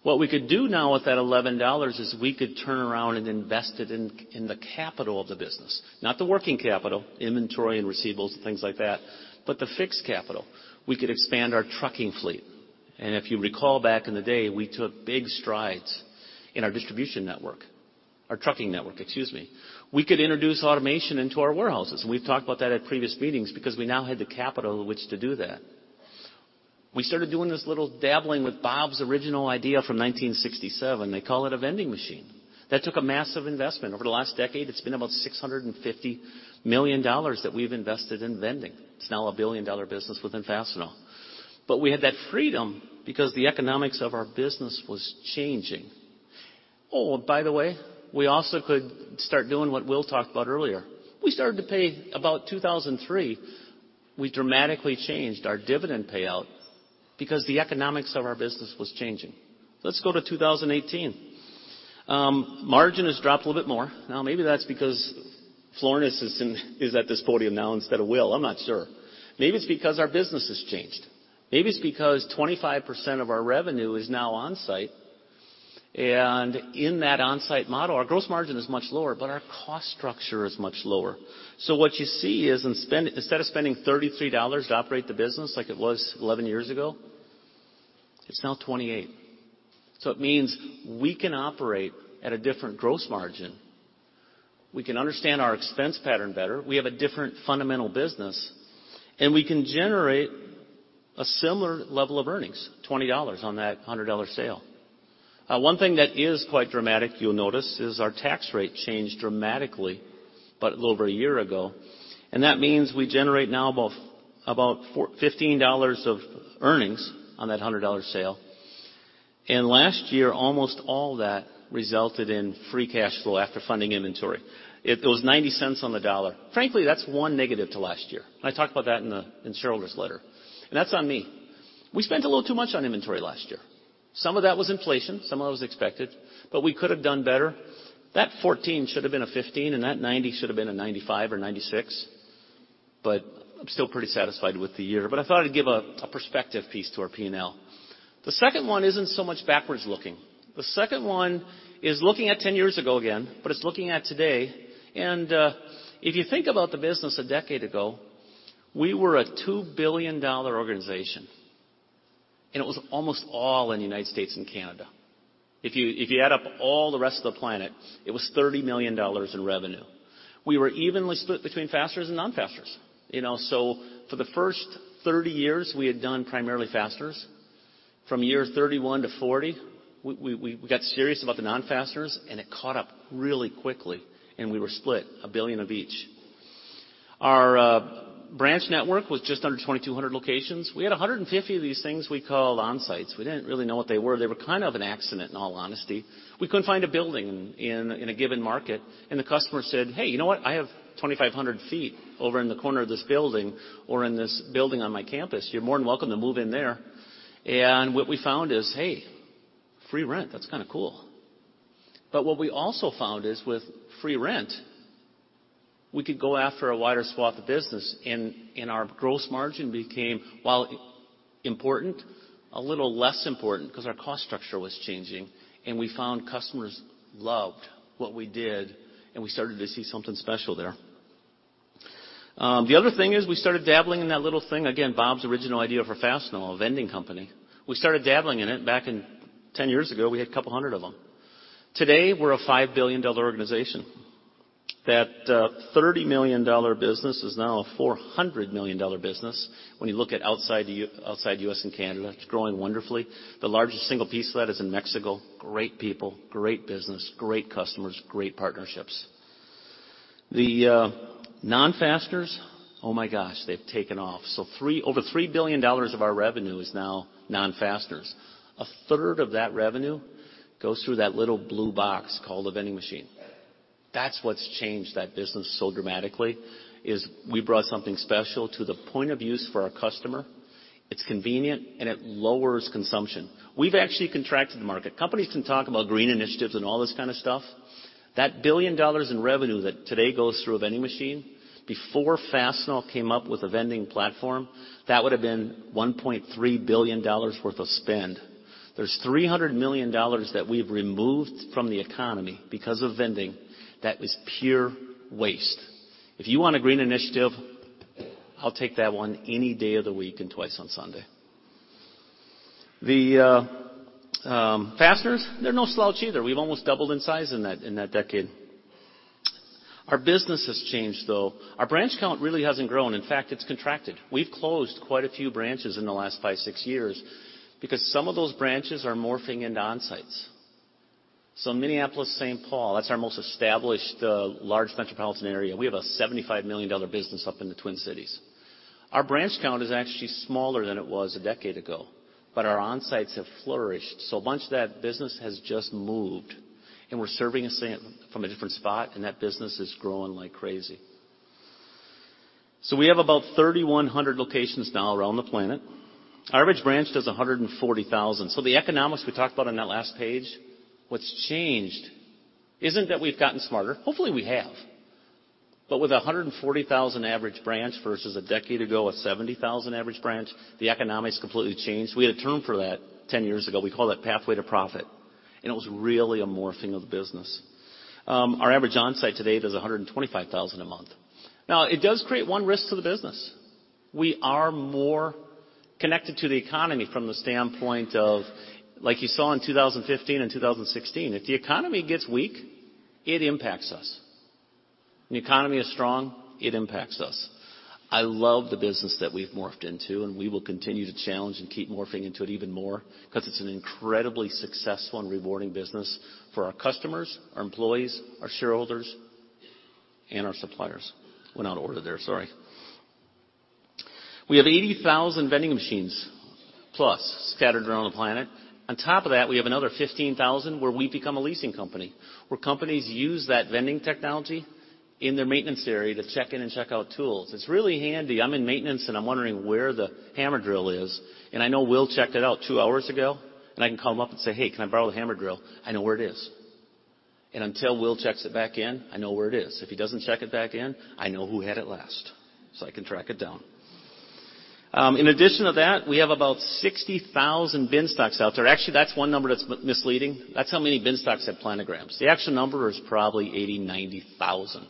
What we could do now with that $11 is we could turn around and invest it in the capital of the business, not the working capital, inventory and receivables, things like that, but the fixed capital. We could expand our trucking fleet. If you recall back in the day, we took big strides in our distribution network. Our trucking network, excuse me. We could introduce automation into our warehouses. We've talked about that at previous meetings because we now had the capital which to do that. We started doing this little dabbling with Bob's original idea from 1967. They call it a vending machine. That took a massive investment. Over the last decade, it's been about $650 million that we've invested in vending. It's now a $1 billion business within Fastenal. We had that freedom because the economics of our business was changing. Oh, by the way, we also could start doing what Will talked about earlier. We started to pay about 2003. We dramatically changed our dividend payout because the economics of our business was changing. Let's go to 2018. Margin has dropped a little bit more. Now maybe that's because Florness is at this podium now instead of Will. I'm not sure. Maybe it's because our business has changed. Maybe it's because 25% of our revenue is now Onsite. In that Onsite model, our gross margin is much lower, but our cost structure is much lower. What you see is instead of spending $0.33 to operate the business like it was 11 years ago, it's now $0.28. It means we can operate at a different gross margin. We can understand our expense pattern better. We have a different fundamental business, and we can generate a similar level of earnings, $20 on that $100 sale. One thing that is quite dramatic, you'll notice, is our tax rate changed dramatically about a little over a year ago. That means we generate now about $15 of earnings on that $100 sale. Last year, almost all that resulted in free cash flow after funding inventory. It was $0.90 on the dollar. Frankly, that's one negative to last year. I talk about that in shareholders' letter. That's on me. We spent a little too much on inventory last year. Some of that was inflation, some of it was expected, but we could have done better. That 14 should have been a 15, and that 90 should have been a 95 or 96. I'm still pretty satisfied with the year. I thought I'd give a perspective piece to our P&L. The second one isn't so much backwards-looking. The second one is looking at 10 years ago again, but it's looking at today. If you think about the business a decade ago, we were a $2 billion organization. It was almost all in the U.S. and Canada. If you add up all the rest of the planet, it was $30 million in revenue. We were evenly split between Fasteners and non-Fasteners. For the first 30 years, we had done primarily Fasteners. From year 31 to 40, we got serious about the non-Fasteners, and it caught up really quickly, and we were split $1 billion of each. Our branch network was just under 2,200 locations. We had 150 of these things we called Onsite. We didn't really know what they were. They were kind of an accident, in all honesty. We couldn't find a building in a given market, and the customer said, "Hey, you know what? I have 2,500 feet over in the corner of this building or in this building on my campus. You're more than welcome to move in there." What we found is, hey, free rent. That's kind of cool. What we also found is with free rent, we could go after a wider swath of business, and our gross margin became, while important, a little less important because our cost structure was changing, and we found customers loved what we did, and we started to see something special there. The other thing is we started dabbling in that little thing, again, Bob's original idea for Fastenal, a vending company. We started dabbling in it back in 10 years ago. We had a couple of hundred of them. Today, we're a $5 billion organization. That $30 million business is now a $400 million business. When you look at outside U.S. and Canada, it's growing wonderfully. The largest single piece of that is in Mexico. Great people, great business, great customers, great partnerships. The non-Fasteners, oh my gosh, they've taken off. Over $3 billion of our revenue is now non-Fasteners. A third of that revenue goes through that little blue box called a vending machine. That's what's changed that business so dramatically, is we brought something special to the point of use for our customer. It's convenient, and it lowers consumption. We've actually contracted the market. Companies can talk about green initiatives and all this kind of stuff. That $1 billion in revenue that today goes through a vending machine, before Fastenal came up with a vending platform, that would have been $1.3 billion worth of spend. There's $300 million that we've removed from the economy because of vending that was pure waste. If you want a green initiative, I'll take that one any day of the week and twice on Sunday. The Fasteners, they're no slouch either. We've almost doubled in size in that decade. Our business has changed, though. Our branch count really hasn't grown. In fact, it's contracted. We've closed quite a few branches in the last five, six years because some of those branches are morphing into Onsites. Minneapolis-Saint Paul, that's our most established large metropolitan area. We have a $75 million business up in the Twin Cities. Our branch count is actually smaller than it was a decade ago, but our Onsites have flourished. A bunch of that business has just moved, and we're serving from a different spot, and that business is growing like crazy. We have about 3,100 locations now around the planet. Our average branch does $140,000. The economics we talked about on that last page, what's changed isn't that we've gotten smarter. Hopefully, we have. With $140,000 average branch versus a decade ago, a $70,000 average branch, the economics completely changed. We had a term for that 10 years ago. We call that pathway to profit, and it was really a morphing of the business. Our average Onsite today does $125,000 a month. It does create one risk to the business. We are more connected to the economy from the standpoint of, like you saw in 2015 and 2016, if the economy gets weak, it impacts us. When the economy is strong, it impacts us. I love the business that we've morphed into, and we will continue to challenge and keep morphing into it even more because it's an incredibly successful and rewarding business for our customers, our employees, our shareholders, and our suppliers. Went out of order there, sorry. We have 80,000 vending machines plus scattered around the planet. On top of that, we have another 15,000 where we've become a leasing company, where companies use that vending technology in their maintenance area to check in and check out tools. It's really handy. I'm in maintenance, and I'm wondering where the hammer drill is, and I know Will checked it out two hours ago, and I can call him up and say, "Hey, can I borrow the hammer drill?" I know where it is. Until Will checks it back in, I know where it is. If he doesn't check it back in, I know who had it last, so I can track it down. In addition to that, we have about 60,000 bin stocks out there. Actually, that's one number that's misleading. That's how many bin stocks have planograms. The actual number is probably 80,000, 90,000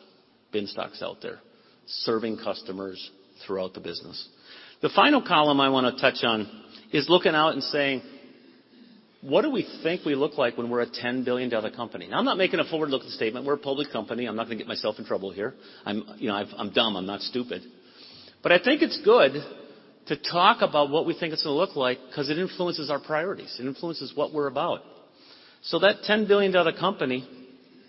bin stocks out there serving customers throughout the business. The final column I want to touch on is looking out and saying, what do we think we look like when we're a $10 billion company? I'm not making a forward-looking statement. We're a public company. I'm not going to get myself in trouble here. I'm dumb. I'm not stupid. I think it's good to talk about what we think it's going to look like because it influences our priorities. It influences what we're about. That $10 billion company,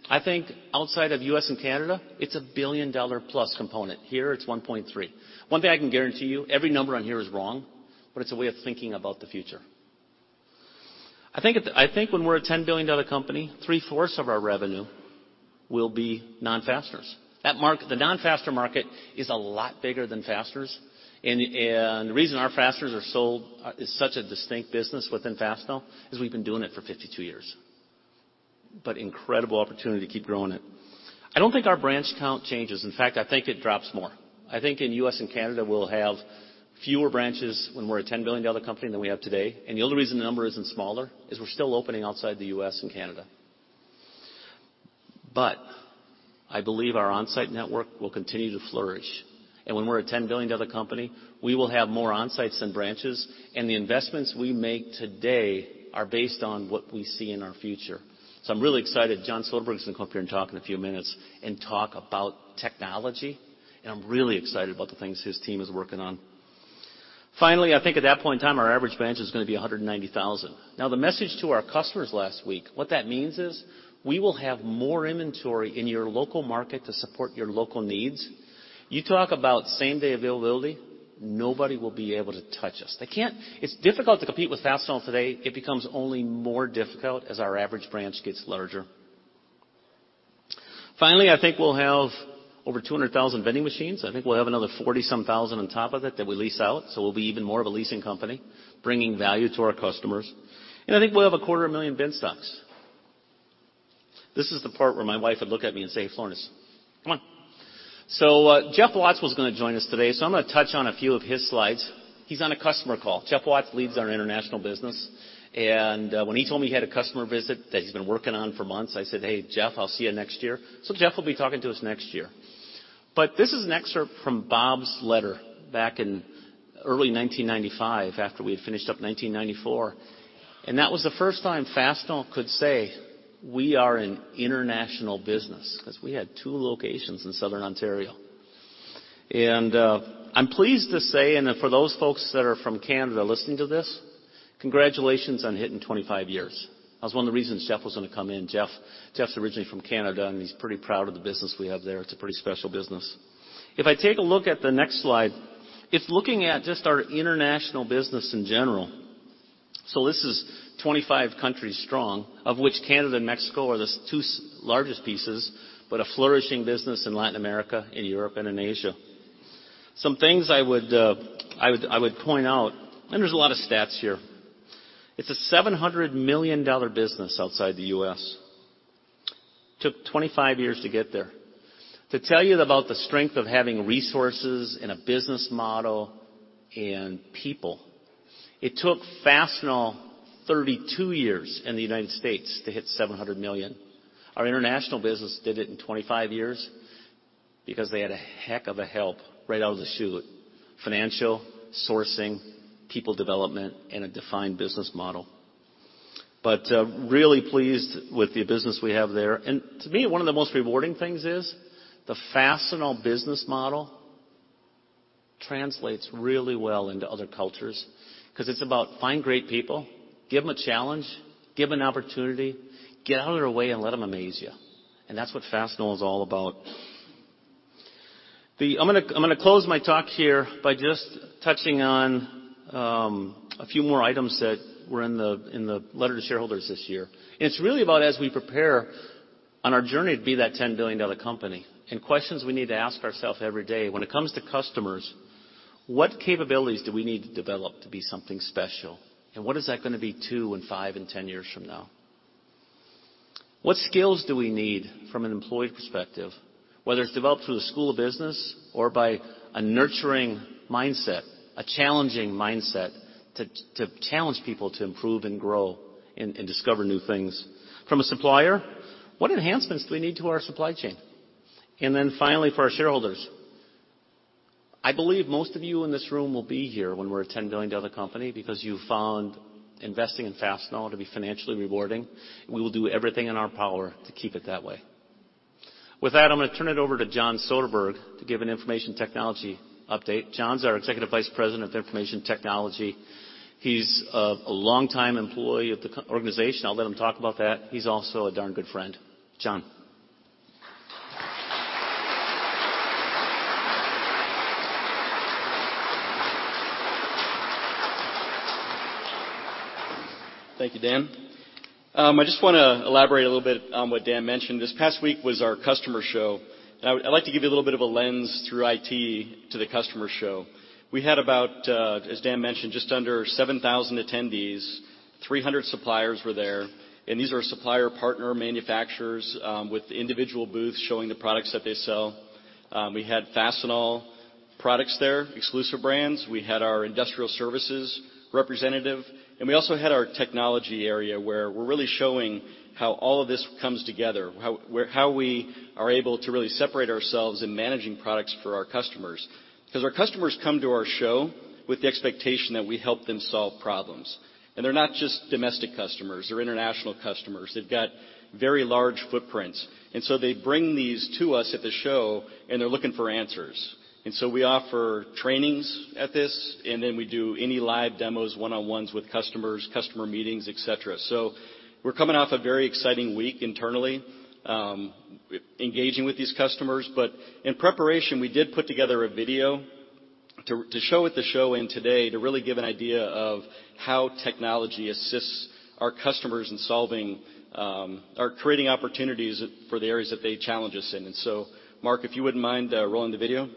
I think outside of U.S. and Canada, it's a billion-dollar-plus component. Here, it's $1.3 billion. One thing I can guarantee you, every number on here is wrong, but it's a way of thinking about the future. I think when we're a $10 billion company, three-fourths of our revenue will be non-fasteners. The non-fastener market is a lot bigger than fasteners. The reason our fasteners are sold is such a distinct business within Fastenal is we've been doing it for 52 years. But incredible opportunity to keep growing it. I don't think our branch count changes. In fact, I think it drops more. I think in U.S. and Canada, we'll have fewer branches when we're a $10 billion company than we have today. The only reason the number isn't smaller is we're still opening outside the U.S. and Canada. But I believe our Onsite network will continue to flourish. When we're a $10 billion company, we will have more Onsites than branches, and the investments we make today are based on what we see in our future. I'm really excited. John Soderberg's gonna come up here and talk in a few minutes. Talk about technology, and I'm really excited about the things his team is working on. I think at that point in time, our average branch is gonna be 190,000. Now, the message to our customers last week, what that means is, we will have more inventory in your local market to support your local needs. You talk about same-day availability, nobody will be able to touch us. It's difficult to compete with Fastenal today. It becomes only more difficult as our average branch gets larger. I think we'll have over 200,000 vending machines. I think we'll have another 40,000 on top of it that we lease out, so we'll be even more of a leasing company, bringing value to our customers. And I think we'll have a quarter of a million Bin stocks. This is the part where my wife would look at me and say, "Florness, come on." Jeff Watts was gonna join us today, so I'm gonna touch on a few of his slides. He's on a customer call. Jeff Watts leads our international business, and when he told me he had a customer visit that he's been working on for months, I said, "Hey, Jeff, I'll see you next year." Jeff will be talking to us next year. But this is an excerpt from Bob's letter back in early 1995 after we had finished up 1994, and that was the first time Fastenal could say we are an international business because we had two locations in Southern Ontario. I'm pleased to say, and for those folks that are from Canada listening to this, congratulations on hitting 25 years. That was one of the reasons Jeff was gonna come in. Jeff's originally from Canada, and he's pretty proud of the business we have there. It's a pretty special business. If I take a look at the next slide, it's looking at just our international business in general. This is 25 countries strong, of which Canada and Mexico are the two largest pieces, but a flourishing business in Latin America, in Europe, and in Asia. Things I would point out, and there's a lot of stats here. It's a $700 million business outside the U.S. Took 25 years to get there. To tell you about the strength of having resources and a business model and people, it took Fastenal 32 years in the United States to hit $700 million. Our international business did it in 25 years because they had a heck of a help right out of the chute, financial, sourcing, people development, and a defined business model. Really pleased with the business we have there. To me, one of the most rewarding things is the Fastenal business model translates really well into other cultures because it's about find great people, give them a challenge, give an opportunity, get out of their way, and let them amaze you. That's what Fastenal is all about. I'm gonna close my talk here by just touching on a few more items that were in the letter to shareholders this year. It's really about as we prepare on our journey to be that $10 billion company and questions we need to ask ourselves every day when it comes to customers. What capabilities do we need to develop to be something special? What is that going to be two and five and 10 years from now? What skills do we need from an employee perspective, whether it's developed through the Fastenal School of Business or by a nurturing mindset, a challenging mindset to challenge people to improve and grow and discover new things? From a supplier, what enhancements do we need to our supply chain? Finally, for our shareholders. I believe most of you in this room will be here when we're a $10 billion company because you found investing in Fastenal to be financially rewarding. We will do everything in our power to keep it that way. With that, I'm going to turn it over to John Soderberg to give an information technology update. John's our Executive Vice President of Information Technology. He's a longtime employee of the organization. I'll let him talk about that. He's also a darn good friend. John. Thank you, Dan. I just want to elaborate a little bit on what Dan mentioned. This past week was our customer show, I'd like to give you a little bit of a lens through IT to the customer show. We had about, as Dan mentioned, just under 7,000 attendees, 300 suppliers were there, These are supplier partner manufacturers with individual booths showing the products that they sell. We had Fastenal products there, exclusive brands. We had our industrial services representative, We also had our technology area where we're really showing how all of this comes together, how we are able to really separate ourselves in managing products for our customers. Our customers come to our show with the expectation that we help them solve problems. They're not just domestic customers, they're international customers. They've got very large footprints. They bring these to us at the show and they're looking for answers. We offer trainings at this, We do any live demos, one-on-ones with customers, customer meetings, et cetera. We're coming off a very exciting week internally, engaging with these customers. In preparation, we did put together a video to show at the show and today to really give an idea of how technology assists our customers in solving or creating opportunities for the areas that they challenge us in. Mark, if you wouldn't mind rolling the video.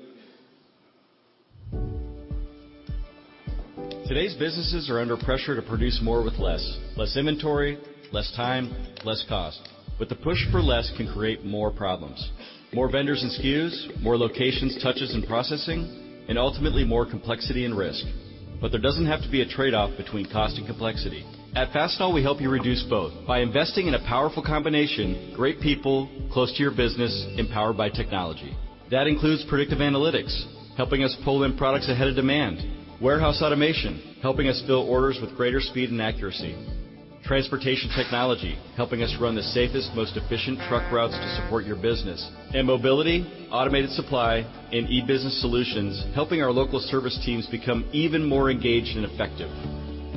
Today's businesses are under pressure to produce more with less. Less inventory, less time, less cost. The push for less can create more problems, more vendors and SKUs, more locations, touches and processing, and ultimately more complexity and risk. There doesn't have to be a trade-off between cost and complexity. At Fastenal, we help you reduce both by investing in a powerful combination, great people close to your business, empowered by technology. That includes predictive analytics, helping us pull in products ahead of demand. Warehouse automation, helping us fill orders with greater speed and accuracy. Transportation technology, helping us run the safest, most efficient truck routes to support your business. Mobility, automated supply and e-business solutions, helping our local service teams become even more engaged and effective.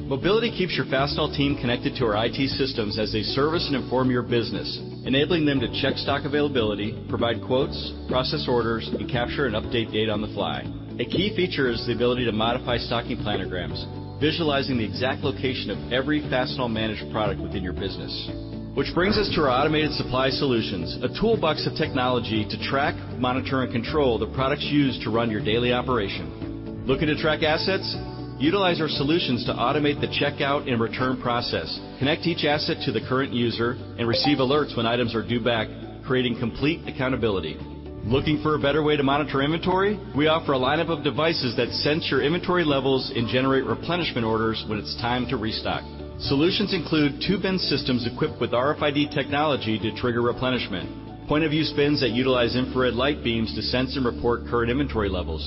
Mobility keeps your Fastenal team connected to our IT systems as they service and inform your business, enabling them to check stock availability, provide quotes, process orders, and capture and update data on the fly. A key feature is the ability to modify stocking planograms, visualizing the exact location of every Fastenal-managed product within your business. Which brings us to our automated supply solutions, a toolbox of technology to track, monitor, and control the products used to run your daily operation. Looking to track assets? Utilize our solutions to automate the checkout and return process. Connect each asset to the current user and receive alerts when items are due back, creating complete accountability. Looking for a better way to monitor inventory? We offer a lineup of devices that sense your inventory levels and generate replenishment orders when it's time to restock. Solutions include two bin systems equipped with RFID technology to trigger replenishment. Point-of-use bins that utilize infrared light beams to sense and report current inventory levels.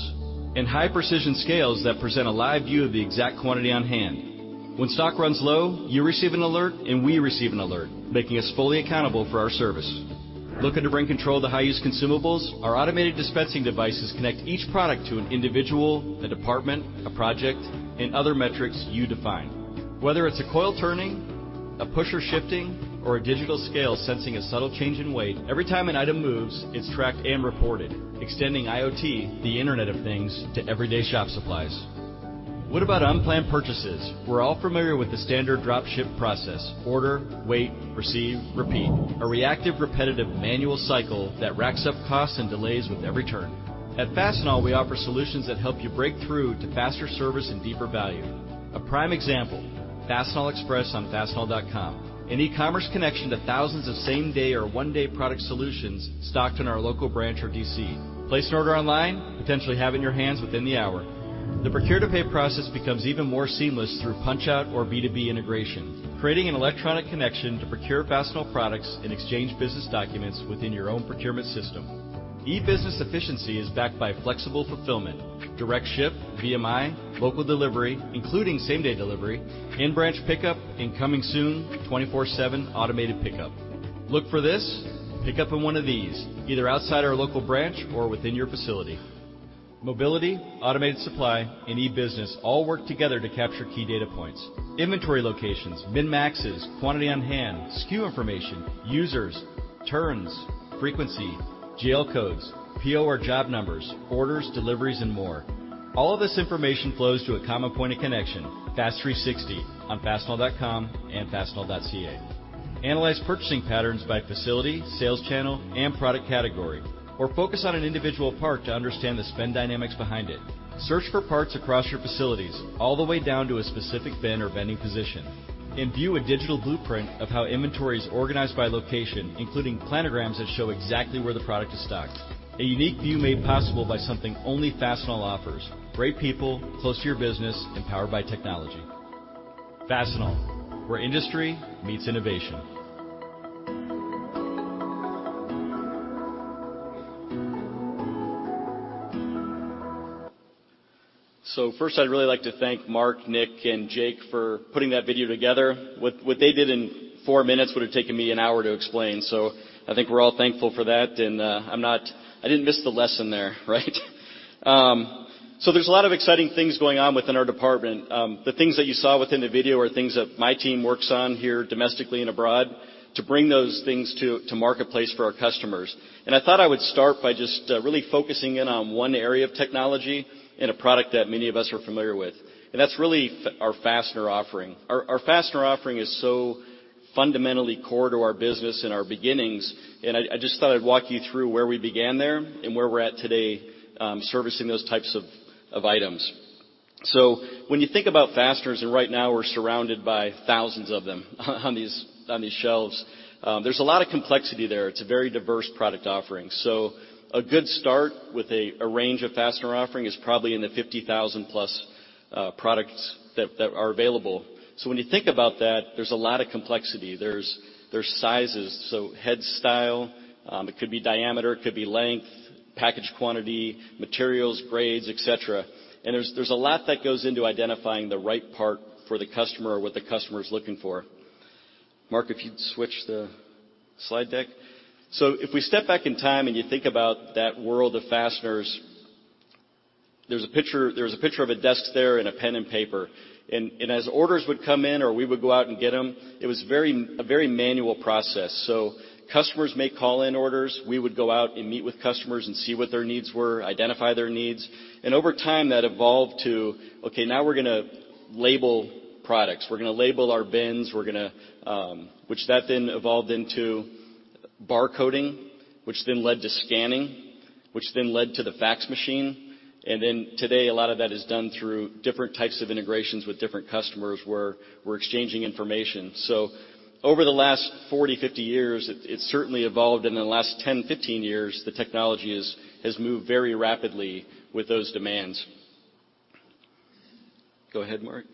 High-precision scales that present a live view of the exact quantity on hand. When stock runs low, you receive an alert and we receive an alert, making us fully accountable for our service. Looking to bring control to high-use consumables? Our automated dispensing devices connect each product to an individual, a department, a project, and other metrics you define. Whether it's a coil turning, a pusher shifting, or a digital scale sensing a subtle change in weight, every time an item moves, it's tracked and reported, extending IoT, the Internet of Things, to everyday shop supplies. What about unplanned purchases? We're all familiar with the standard drop ship process: order, wait, receive, repeat. A reactive, repetitive, manual cycle that racks up costs and delays with every turn. At Fastenal, we offer solutions that help you break through to faster service and deeper value. A prime example, Fastenal Express on fastenal.com, an e-commerce connection to thousands of same-day or one-day product solutions stocked in our local branch or DC. Place an order online, potentially have it in your hands within the hour. The procure-to-pay process becomes even more seamless through punch-out or B2B integration, creating an electronic connection to procure Fastenal products and exchange business documents within your own procurement system. E-business efficiency is backed by flexible fulfillment, direct ship, VMI, local delivery, including same-day delivery, in-branch pickup, and coming soon, 24/7 automated pickup. Look for this, pick up in one of these, either outside our local branch or within your facility. Mobility, automated supply, and e-business all work together to capture key data points. Inventory locations, min-maxes, quantity on hand, SKU information, users, turns, frequency, GL codes, PO or job numbers, orders, deliveries and more. All of this information flows to a common point of connection, FAST 360 on fastenal.com and fastenal.ca. Analyze purchasing patterns by facility, sales channel, and product category, or focus on an individual part to understand the spend dynamics behind it. Search for parts across your facilities, all the way down to a specific bin or vending position, and view a digital blueprint of how inventory is organized by location, including planograms that show exactly where the product is stocked. A unique view made possible by something only Fastenal offers: great people, close to your business, and powered by technology. Fastenal: where industry meets innovation. First, I'd really like to thank Mark, Nick, and Jake for putting that video together. What they did in 4 minutes would've taken me 1 hour to explain, so I think we're all thankful for that. I didn't miss the lesson there, right? There's a lot of exciting things going on within our department. The things that you saw within the video are things that my team works on here domestically and abroad to bring those things to marketplace for our customers. I thought I would start by just really focusing in on one area of technology and a product that many of us are familiar with, and that's really our fastener offering. Our fastener offering is so fundamentally core to our business and our beginnings, and I just thought I'd walk you through where we began there and where we're at today servicing those types of items. When you think about fasteners, and right now we're surrounded by thousands of them on these shelves, there's a lot of complexity there. It's a very diverse product offering. A good start with a range of fastener offering is probably in the 50,000-plus products that are available. When you think about that, there's a lot of complexity. There's sizes, head style. It could be diameter, it could be length, package quantity, materials, grades, et cetera. There's a lot that goes into identifying the right part for the customer or what the customer's looking for. Mark, if you'd switch the slide deck. If we step back in time and you think about that world of fasteners, there's a picture of a desk there and a pen and paper. As orders would come in or we would go out and get them, it was a very manual process. Customers may call in orders. We would go out and meet with customers and see what their needs were, identify their needs. Over time, that evolved to, okay, now we're going to label products. We're going to label our bins. Which that then evolved into barcoding, which then led to scanning, which then led to the fax machine, and then today a lot of that is done through different types of integrations with different customers, where we're exchanging information. Over the last 40, 50 years, it certainly evolved. In the last 10, 15 years, the technology has moved very rapidly with those demands. Go ahead, Mark.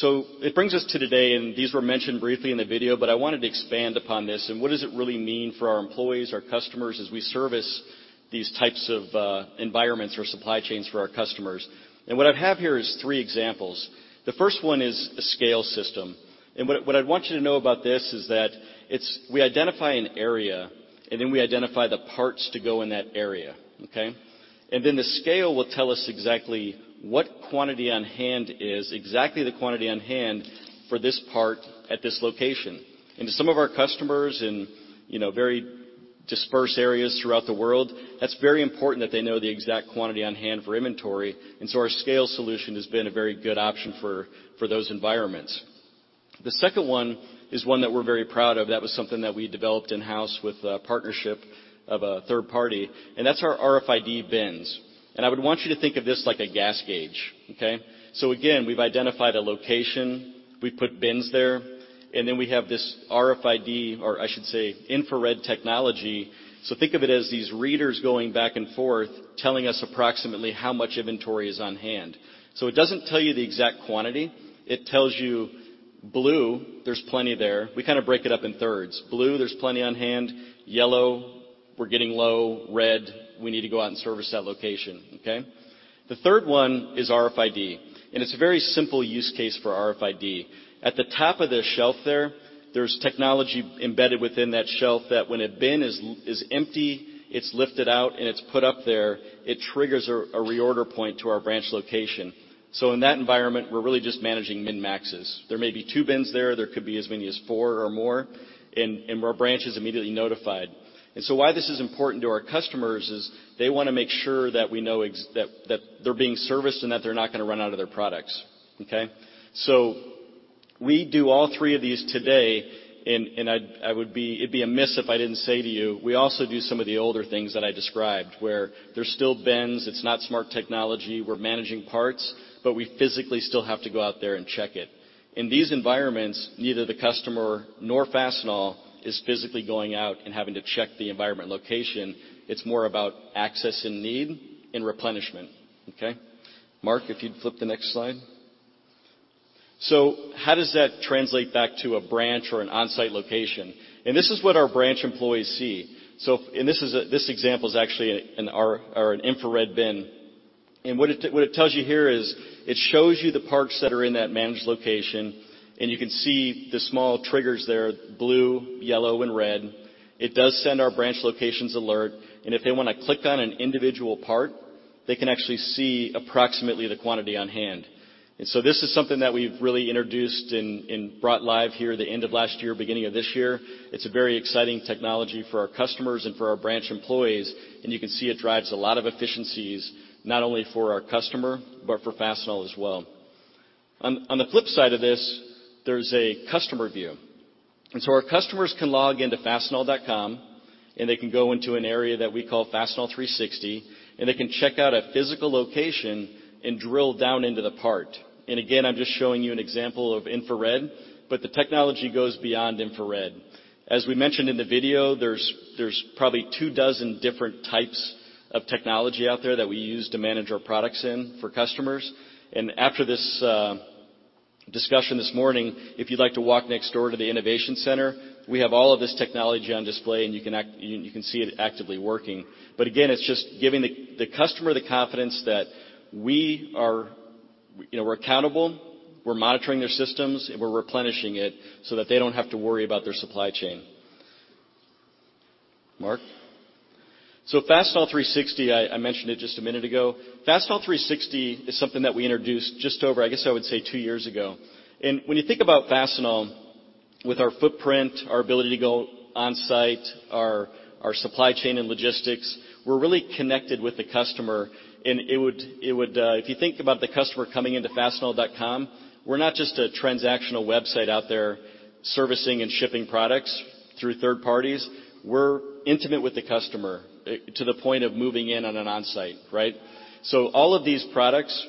It brings us to today, and these were mentioned briefly in the video, but I wanted to expand upon this and what does it really mean for our employees, our customers, as we service these types of environments or supply chains for our customers. What I have here is three examples. The first one is a scale system. What I'd want you to know about this is that we identify an area, then we identify the parts to go in that area, okay? The scale will tell us exactly what quantity on hand is, exactly the quantity on hand for this part at this location. To some of our customers in very dispersed areas throughout the world, that's very important that they know the exact quantity on hand for inventory. Our scale solution has been a very good option for those environments. The second one is one that we're very proud of. That was something that we developed in-house with a partnership of a third party, our RFID bins. I would want you to think of this like a gas gauge, okay? Again, we've identified a location, we've put bins there, we have this RFID, or I should say infrared technology. Think of it as these readers going back and forth telling us approximately how much inventory is on hand. It doesn't tell you the exact quantity. It tells you blue, there's plenty there. We kind of break it up in thirds. Blue, there's plenty on hand. Yellow, we're getting low. Red, we need to go out and service that location, okay? The third one is RFID. It's a very simple use case for RFID. At the top of the shelf there's technology embedded within that shelf that when a bin is empty, it's lifted out and it's put up there, it triggers a reorder point to our branch location. In that environment, we're really just managing min-maxes. There may be 2 bins there. There could be as many as 4 or more. Our branch is immediately notified. Why this is important to our customers is they want to make sure that we know that they're being serviced and that they're not going to run out of their products, okay? We do all 3 of these today. It'd be amiss if I didn't say to you, we also do some of the older things that I described, where there's still bins. It's not smart technology. We're managing parts. We physically still have to go out there and check it. In these environments, neither the customer nor Fastenal is physically going out and having to check the environment location. It's more about access and need and replenishment, okay? Mark, if you'd flip the next slide. How does that translate back to a branch or an Onsite location? This is what our branch employees see. This example's actually an infrared bin. What it tells you here is it shows you the parts that are in that managed location. You can see the small triggers there, blue, yellow, and red. It does send our branch locations alert. If they want to click on an individual part, they can actually see approximately the quantity on hand. This is something that we've really introduced and brought live here the end of last year, beginning of this year. It's a very exciting technology for our customers and for our branch employees. You can see it drives a lot of efficiencies, not only for our customer, but for Fastenal as well. On the flip side of this, there's a customer view. Our customers can log into fastenal.com, and they can go into an area that we call FAST 360, and they can check out a physical location and drill down into the part. Again, I'm just showing you an example of infrared, but the technology goes beyond infrared. As we mentioned in the video, there's probably two dozen different types of technology out there that we use to manage our products in for customers. After this discussion this morning, if you'd like to walk next door to the innovation center, we have all of this technology on display, and you can see it actively working. Again, it's just giving the customer the confidence that we're accountable, we're monitoring their systems, and we're replenishing it so that they don't have to worry about their supply chain. Mark. FAST 360, I mentioned it just a minute ago. FAST 360 is something that we introduced just over, I guess I would say, two years ago. When you think about Fastenal, with our footprint, our ability to go Onsite, our supply chain and logistics, we're really connected with the customer. If you think about the customer coming into fastenal.com, we're not just a transactional website out there servicing and shipping products through third parties. We're intimate with the customer to the point of moving in on an Onsite, right? All of these products,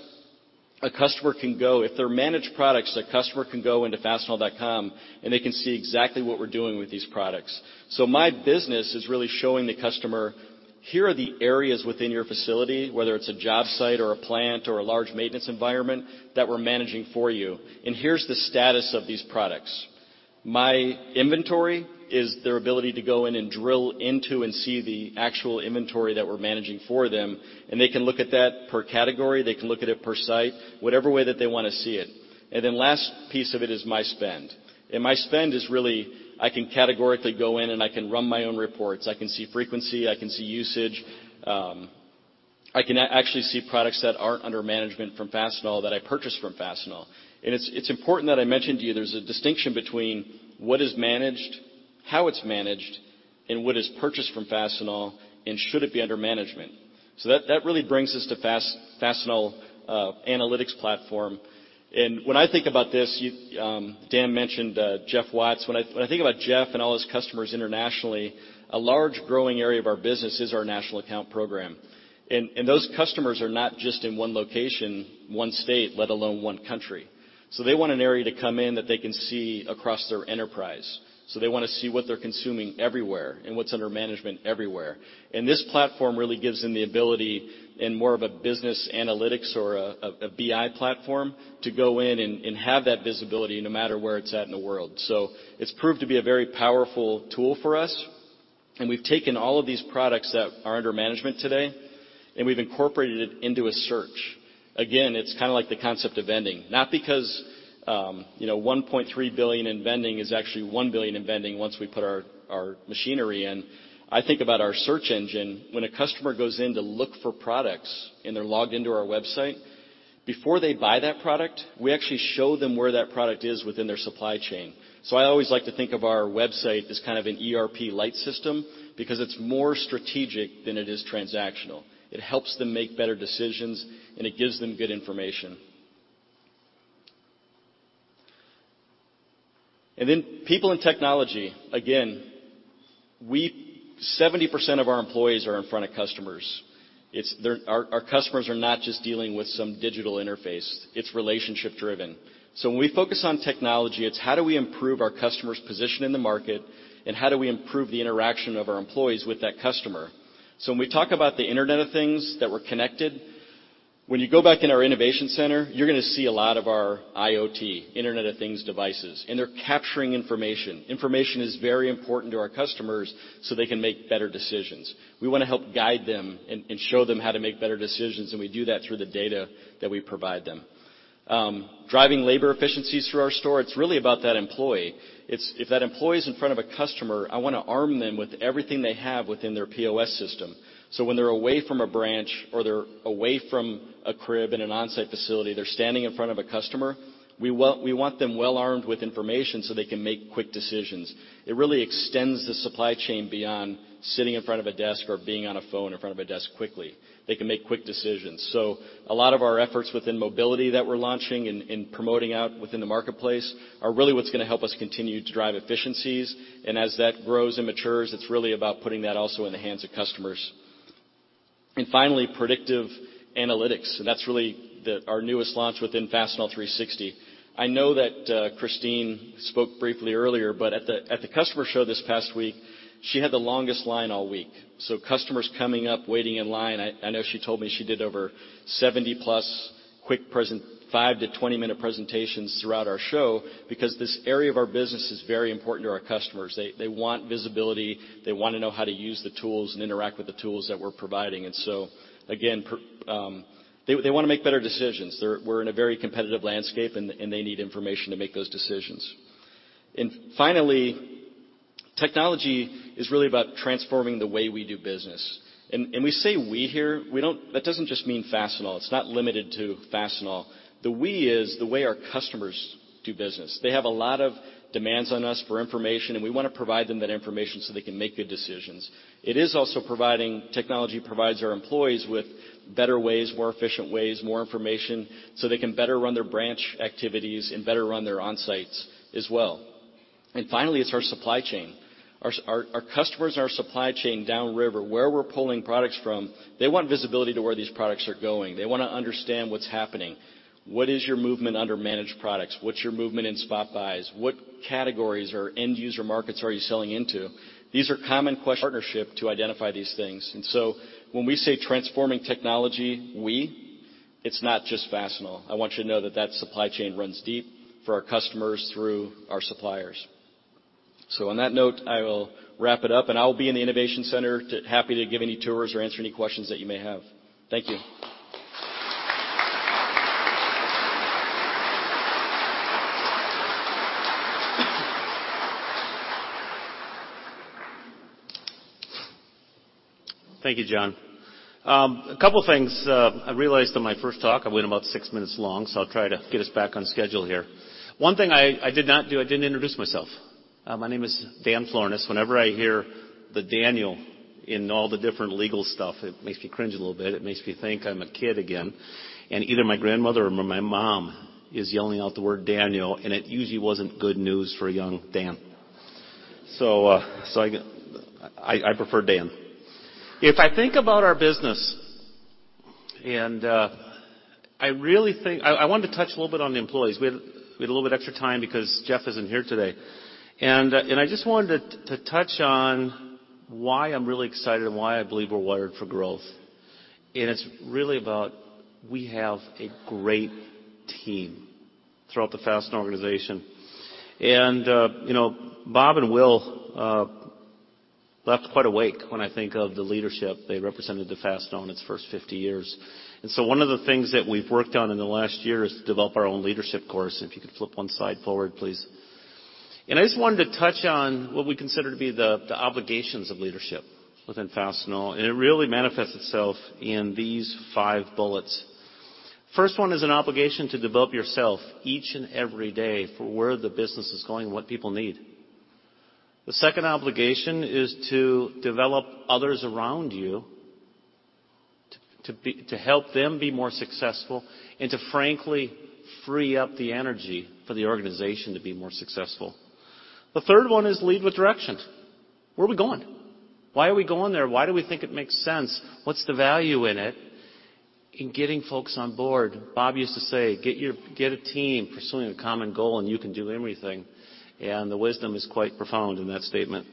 if they're managed products, a customer can go into fastenal.com, and they can see exactly what we're doing with these products. My business is really showing the customer, here are the areas within your facility, whether it's a job site or a plant or a large maintenance environment, that we're managing for you. Here's the status of these products. My inventory is their ability to go in and drill into and see the actual inventory that we're managing for them, and they can look at that per category. They can look at it per site, whatever way that they want to see it. Then last piece of it is my spend. My spend is really, I can categorically go in and I can run my own reports. I can see frequency. I can see usage. I can actually see products that aren't under management from Fastenal that I purchased from Fastenal. It's important that I mention to you, there's a distinction between what is managed, how it's managed, and what is purchased from Fastenal, and should it be under management. That really brings us to Fastenal Analytics Platform. When I think about this, Dan mentioned Jeff Watts. When I think about Jeff and all his customers internationally, a large growing area of our business is our national account program. Those customers are not just in one location, one state, let alone one country. They want an area to come in that they can see across their enterprise. They want to see what they're consuming everywhere and what's under management everywhere. This platform really gives them the ability in more of a business analytics or a BI platform to go in and have that visibility no matter where it's at in the world. It's proved to be a very powerful tool for us, and we've taken all of these products that are under management today, and we've incorporated it into a search. It's kind of like the concept of vending, not because $1.3 billion in vending is actually $1 billion in vending once we put our machinery in. I think about our search engine. When a customer goes in to look for products, and they're logged into our website. Before they buy that product, we actually show them where that product is within their supply chain. I always like to think of our website as kind of an ERP light system because it's more strategic than it is transactional. It helps them make better decisions, and it gives them good information. People and technology, again, 70% of our employees are in front of customers. Our customers are not just dealing with some digital interface. It's relationship-driven. When we focus on technology, it's how do we improve our customer's position in the market, and how do we improve the interaction of our employees with that customer? When we talk about the Internet of Things that we're connected, when you go back in our innovation center, you're gonna see a lot of our IoT, Internet of Things devices, and they're capturing information. Information is very important to our customers so they can make better decisions. We wanna help guide them and show them how to make better decisions, and we do that through the data that we provide them. Driving labor efficiencies through our store, it's really about that employee. If that employee's in front of a customer, I wanna arm them with everything they have within their POS system. When they're away from a branch or they're away from a crib in an Onsite facility, they're standing in front of a customer, we want them well-armed with information so they can make quick decisions. It really extends the supply chain beyond sitting in front of a desk or being on a phone in front of a desk quickly. They can make quick decisions. A lot of our efforts within mobility that we're launching and promoting out within the marketplace are really what's gonna help us continue to drive efficiencies. As that grows and matures, it's really about putting that also in the hands of customers. Finally, predictive analytics, and that's really our newest launch within FAST 360. I know that Christine spoke briefly earlier, but at the customer show this past week, she had the longest line all week. Customers coming up, waiting in line. I know she told me she did over 70-plus quick 5-20-minute presentations throughout our show because this area of our business is very important to our customers. They want visibility. They wanna know how to use the tools and interact with the tools that we're providing. Again, they wanna make better decisions. We're in a very competitive landscape, and they need information to make those decisions. Finally, technology is really about transforming the way we do business. We say we here. That doesn't just mean Fastenal. It's not limited to Fastenal. The we is the way our customers do business. They have a lot of demands on us for information, and we wanna provide them that information so they can make good decisions. Technology provides our employees with better ways, more efficient ways, more information, so they can better run their branch activities and better run their Onsite as well. Finally, it's our supply chain. Our customers and our supply chain downriver, where we're pulling products from, they want visibility to where these products are going. They want to understand what's happening. What is your movement under managed products? What's your movement in spot buys? What categories or end user markets are you selling into? These are common partnership to identify these things. When we say transforming technology, we, it's not just Fastenal. I want you to know that that supply chain runs deep for our customers through our suppliers. On that note, I will wrap it up, and I'll be in the innovation center, happy to give any tours or answer any questions that you may have. Thank you. Thank you, John. A couple things I realized on my first talk, I went about six minutes long, I'll try to get us back on schedule here. One thing I did not do, I didn't introduce myself. My name is Dan Florness. Whenever I hear the Daniel in all the different legal stuff, it makes me cringe a little bit. It makes me think I'm a kid again, and either my grandmother or my mom is yelling out the word Daniel, and it usually wasn't good news for a young Dan. I prefer Dan. If I think about our business and I wanted to touch a little bit on the employees. We had a little bit extra time because Jeff isn't here today, and I just wanted to touch on why I'm really excited and why I believe we're wired for growth. It's really about we have a great team throughout the Fastenal organization. Bob and Will left quite a wake when I think of the leadership they represented at Fastenal in its first 50 years. One of the things that we've worked on in the last year is to develop our own leadership course. If you could flip one slide forward, please. I just wanted to touch on what we consider to be the obligations of leadership within Fastenal, and it really manifests itself in these five bullets. First one is an obligation to develop yourself each and every day for where the business is going and what people need. The second obligation is to develop others around you to help them be more successful and to frankly, free up the energy for the organization to be more successful. The third one is lead with direction. Where are we going? Why are we going there? Why do we think it makes sense? What's the value in it? In getting folks on board, Bob used to say, "Get a team pursuing a common goal and you can do anything." The wisdom is quite profound in that statement.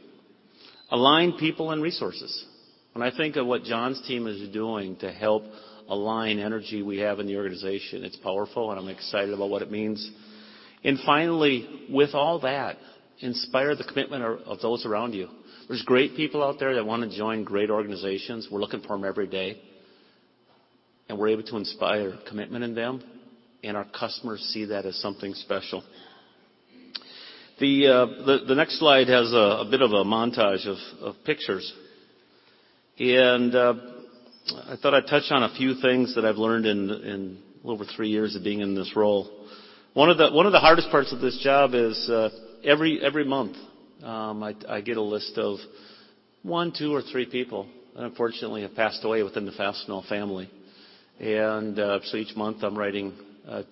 Align people and resources. When I think of what John's team is doing to help align energy we have in the organization, it's powerful, and I'm excited about what it means. Finally, with all that, inspire the commitment of those around you. There's great people out there that want to join great organizations. We're looking for them every day, and we're able to inspire commitment in them, and our customers see that as something special. The next slide has a bit of a montage of pictures. I thought I'd touch on a few things that I've learned in over three years of being in this role. One of the hardest parts of this job is every month, I get a list of one, two, or three people that unfortunately have passed away within the Fastenal family. So each month, I'm writing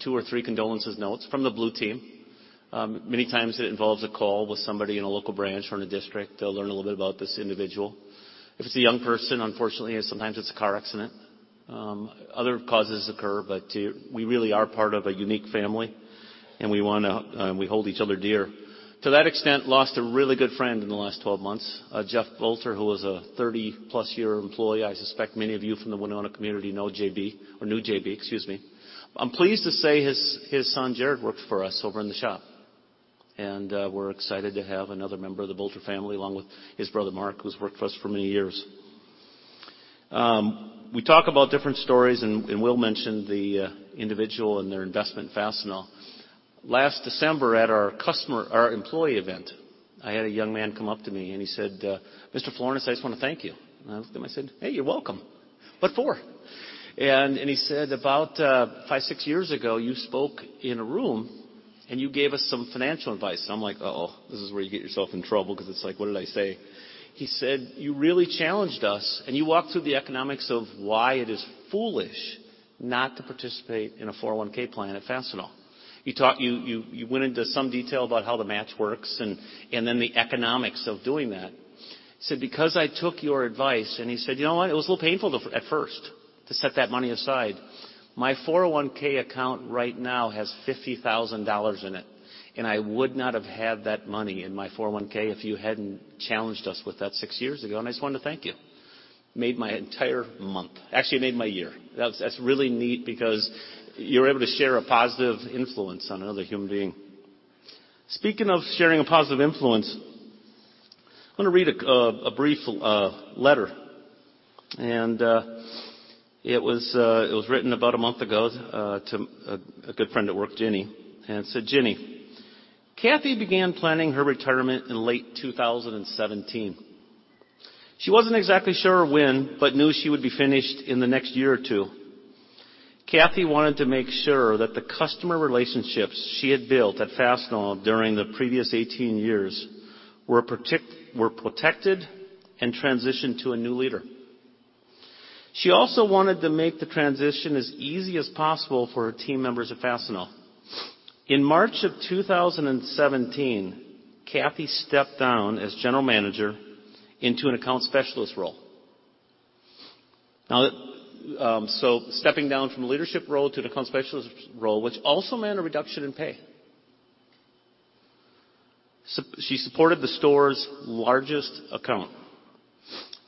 two or three condolences notes from the blue team. Many times it involves a call with somebody in a local branch or in a district. They'll learn a little bit about this individual. If it's a young person, unfortunately, sometimes it's a car accident. Other causes occur, but we really are part of a unique family, and we hold each other dear. To that extent, lost a really good friend in the last 12 months, Jeff Bolger, who was a 30-plus year employee. I suspect many of you from the Winona community know JB or knew JB, excuse me. I'm pleased to say his son, Jared, worked for us over in the shop. We're excited to have another member of the Bolger family, along with his brother, Mark, who's worked for us for many years. We talk about different stories and Will mentioned the individual and their investment in Fastenal. Last December at our employee event, I had a young man come up to me and he said, "Mr. Florness, I just want to thank you." I looked at him, I said, "Hey, you're welcome. What for?" He said, "About five, six years ago, you spoke in a room, and you gave us some financial advice." I'm like, "Uh-oh, this is where you get yourself in trouble," because it's like, "What did I say?" He said, "You really challenged us, and you walked through the economics of why it is foolish not to participate in a 401 plan at Fastenal. You went into some detail about how the match works and then the economics of doing that." He said, "I took your advice," and he said, "You know what? It was a little painful at first to set that money aside. My 401 account right now has $50,000 in it, and I would not have had that money in my 401 if you hadn't challenged us with that six years ago, and I just wanted to thank you." Made my entire month. Actually, it made my year. That's really neat because you're able to share a positive influence on another human being. Speaking of sharing a positive influence, I want to read a brief letter. It was written about a month ago to a good friend that worked, Jenny. It said, "Jenny. Cathy began planning her retirement in late 2017. She wasn't exactly sure when but knew she would be finished in the next year or two. Cathy wanted to make sure that the customer relationships she had built at Fastenal during the previous 18 years were protected and transitioned to a new leader. She also wanted to make the transition as easy as possible for her team members at Fastenal. In March of 2017, Cathy stepped down as general manager into an account specialist role. Stepping down from a leadership role to an account specialist role, which also meant a reduction in pay. She supported the store's largest account.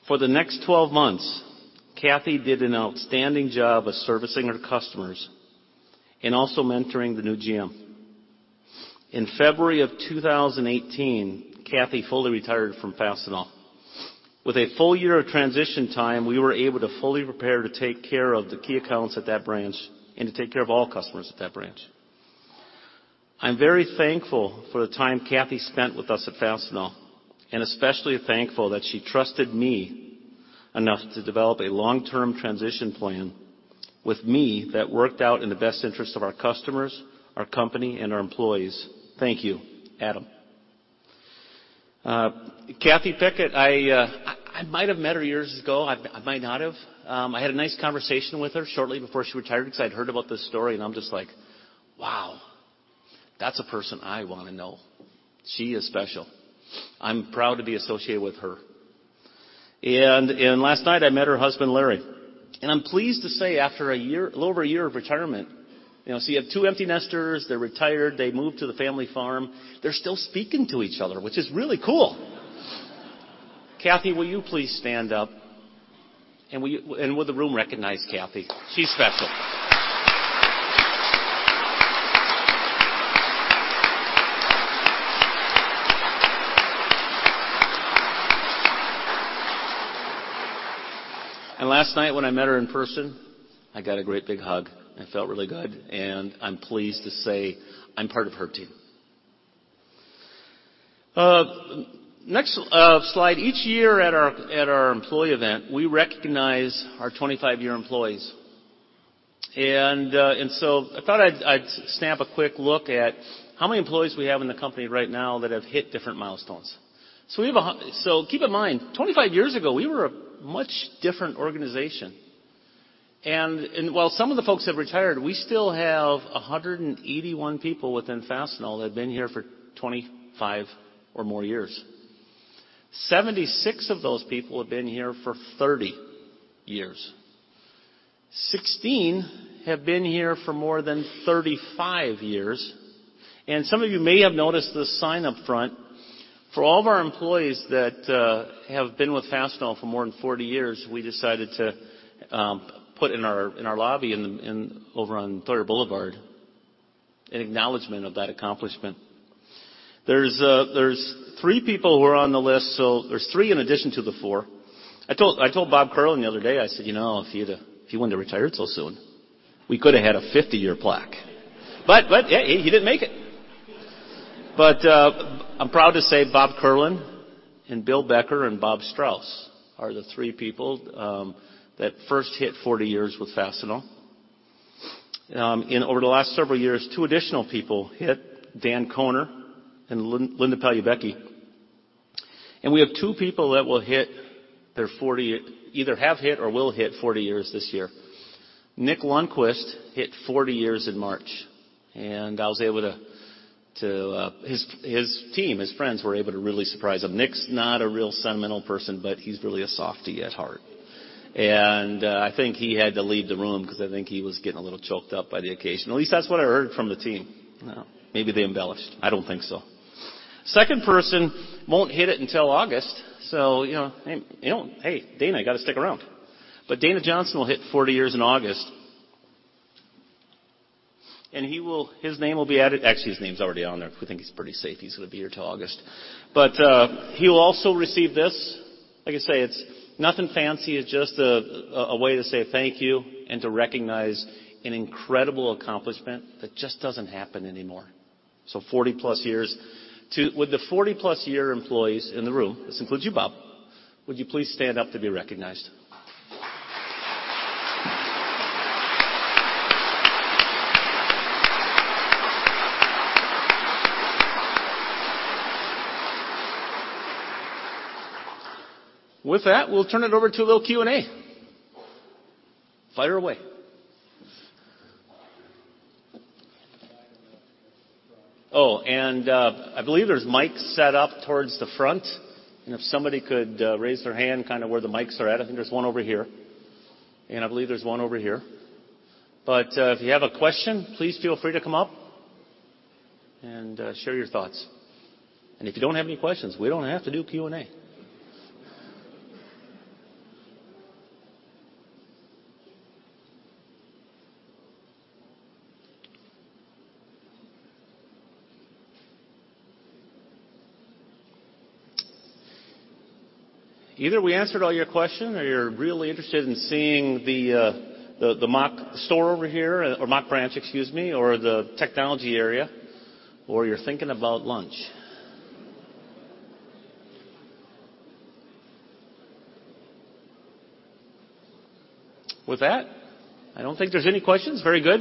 For the next 12 months, Cathy did an outstanding job of servicing her customers and also mentoring the new GM. In February of 2018, Cathy fully retired from Fastenal. With a full year of transition time, we were able to fully prepare to take care of the key accounts at that branch and to take care of all customers at that branch. I'm very thankful for the time Cathy spent with us at Fastenal, especially thankful that she trusted me enough to develop a long-term transition plan with me that worked out in the best interest of our customers, our company, and our employees. Thank you. Adam. Cathy Pickett, I might have met her years ago, I might not have. I had a nice conversation with her shortly before she retired because I'd heard about this story. I'm just like, "Wow, that's a person I want to know." She is special. I'm proud to be associated with her. Last night, I met her husband, Larry. I'm pleased to say, after a little over a year of retirement, so you have two empty nesters, they're retired, they moved to the family farm. They're still speaking to each other, which is really cool. Cathy, will you please stand up? Will the room recognize Cathy? She's special. Last night, when I met her in person, I got a great big hug, and it felt really good. I'm pleased to say I'm part of her team. Next slide. Each year at our employee event, we recognize our 25-year employees. I thought I'd stamp a quick look at how many employees we have in the company right now that have hit different milestones. Keep in mind, 25 years ago, we were a much different organization. While some of the folks have retired, we still have 181 people within Fastenal that have been here for 25 or more years. 76 of those people have been here for 30 years. 16 have been here for more than 35 years. Some of you may have noticed this sign up front. For all of our employees that have been with Fastenal for more than 40 years, we decided to put in our lobby over on Theurer Boulevard an acknowledgment of that accomplishment. There's three people who are on the list. There's three in addition to the four. I told Bob Kierlin the other day, I said, "If you wouldn't have retired so soon, we could've had a 50-year plaque." He didn't make it. I'm proud to say Bob Kierlin and Bill Becker and Bob Strauss are the three people that first hit 40 years with Fastenal. Over the last several years, two additional people hit, Dan Kohner and Linda Pagliaecki. We have two people that either have hit or will hit 40 years this year. Nick Lundquist hit 40 years in March. His team, his friends, were able to really surprise him. Nick's not a real sentimental person, but he's really a softie at heart. I think he had to leave the room because I think he was getting a little choked up by the occasion. At least that's what I heard from the team. Maybe they embellished. I don't think so. Second person won't hit it until August. Hey, Dana, you got to stick around. Dana Johnson will hit 40 years in August. His name will be added. Actually, his name's already on there. We think he's pretty safe. He's going to be here till August. He will also receive this. Like I say, it's nothing fancy. It's just a way to say thank you and to recognize an incredible accomplishment that just doesn't happen anymore. 40-plus years. Would the 40-plus-year employees in the room, this includes you, Bob, would you please stand up to be recognized? With that, we'll turn it over to a little Q&A. Fire away. I believe there's mics set up towards the front. If somebody could raise their hand where the mics are at. I think there's one over here. I believe there's one over here. If you have a question, please feel free to come up and share your thoughts. If you don't have any questions, we don't have to do Q&A. Either we answered all your questions, or you're really interested in seeing the mock store over here, or mock branch, excuse me, or the technology area, or you're thinking about lunch. With that, I don't think there's any questions. Very good.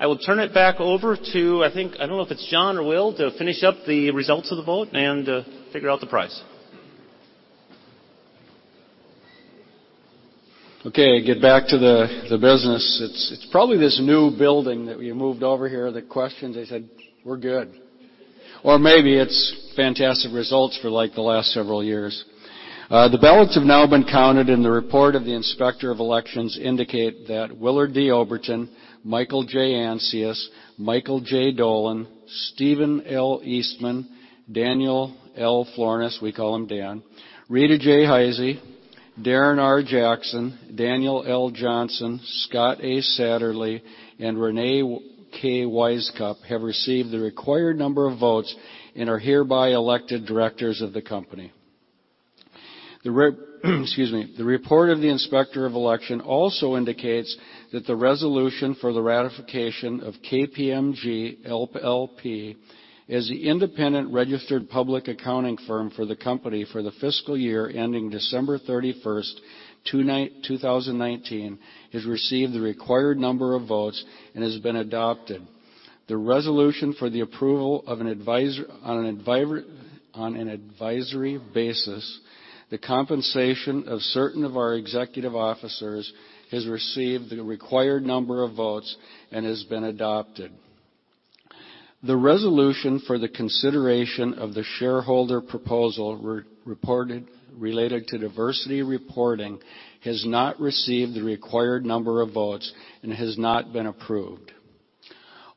I will turn it back over to, I don't know if it's John or Will, to finish up the results of the vote and figure out the prize. Get back to the business. It's probably this new building that we moved over here, the questions, they said we're good, or maybe it's fantastic results for the last several years. The ballots have now been counted, the report of the Inspector of Elections indicate that Willard D. Oberton, Michael J. Ancius, Michael J. Dolan, Stephen L. Eastman, Daniel L. Florness, we call him Dan, Rita J. Heise, Darren R. Jackson, Daniel L. Johnson, Scott A. Satterlee, and Reyne K. Wisecup have received the required number of votes and are hereby elected directors of the company. Excuse me. The report of the Inspector of Election also indicates that the resolution for the ratification of KPMG LLP as the independent registered public accounting firm for the company for the fiscal year ending December 31st, 2019, has received the required number of votes and has been adopted. The resolution for the approval on an advisory basis, the compensation of certain of our executive officers has received the required number of votes and has been adopted. The resolution for the consideration of the shareholder proposal related to diversity reporting has not received the required number of votes and has not been approved.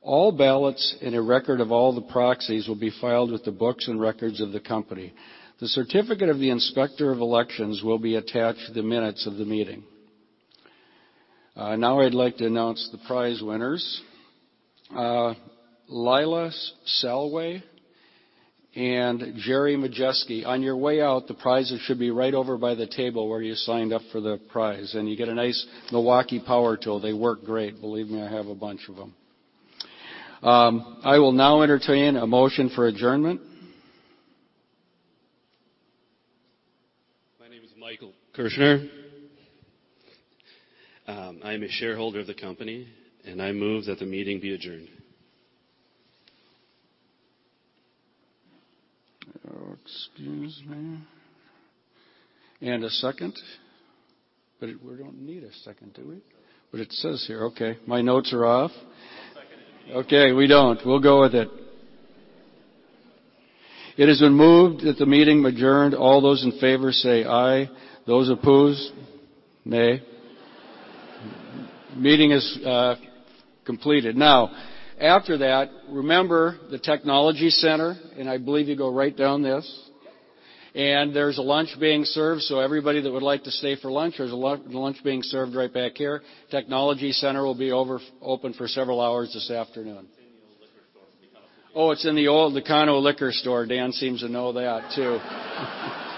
All ballots and a record of all the proxies will be filed with the books and records of the company. The certificate of the Inspector of Elections will be attached to the minutes of the meeting. Now I'd like to announce the prize winners. Lyla Salway and Jerry Majeski. On your way out, the prizes should be right over by the table where you signed up for the prize, and you get a nice Milwaukee power tool. They work great, believe me. I have a bunch of them. I will now entertain a motion for adjournment. My name is Michael Kirchner. I am a shareholder of the company. I move that the meeting be adjourned. Excuse me. A second? We don't need a second, do we? It says here. Okay, my notes are off. I'll second it. Okay, we don't. We'll go with it. It has been moved that the meeting adjourned. All those in favor say aye. Those oppose, nay. Meeting is completed. After that, remember the technology center, I believe you go right down this. Yes. There's a lunch being served, everybody that would like to stay for lunch, there's a lunch being served right back here. The technology center will be open for several hours this afternoon. It's in the old liquor store. It's in the Econo Liquor Store. Dan seems to know that, too.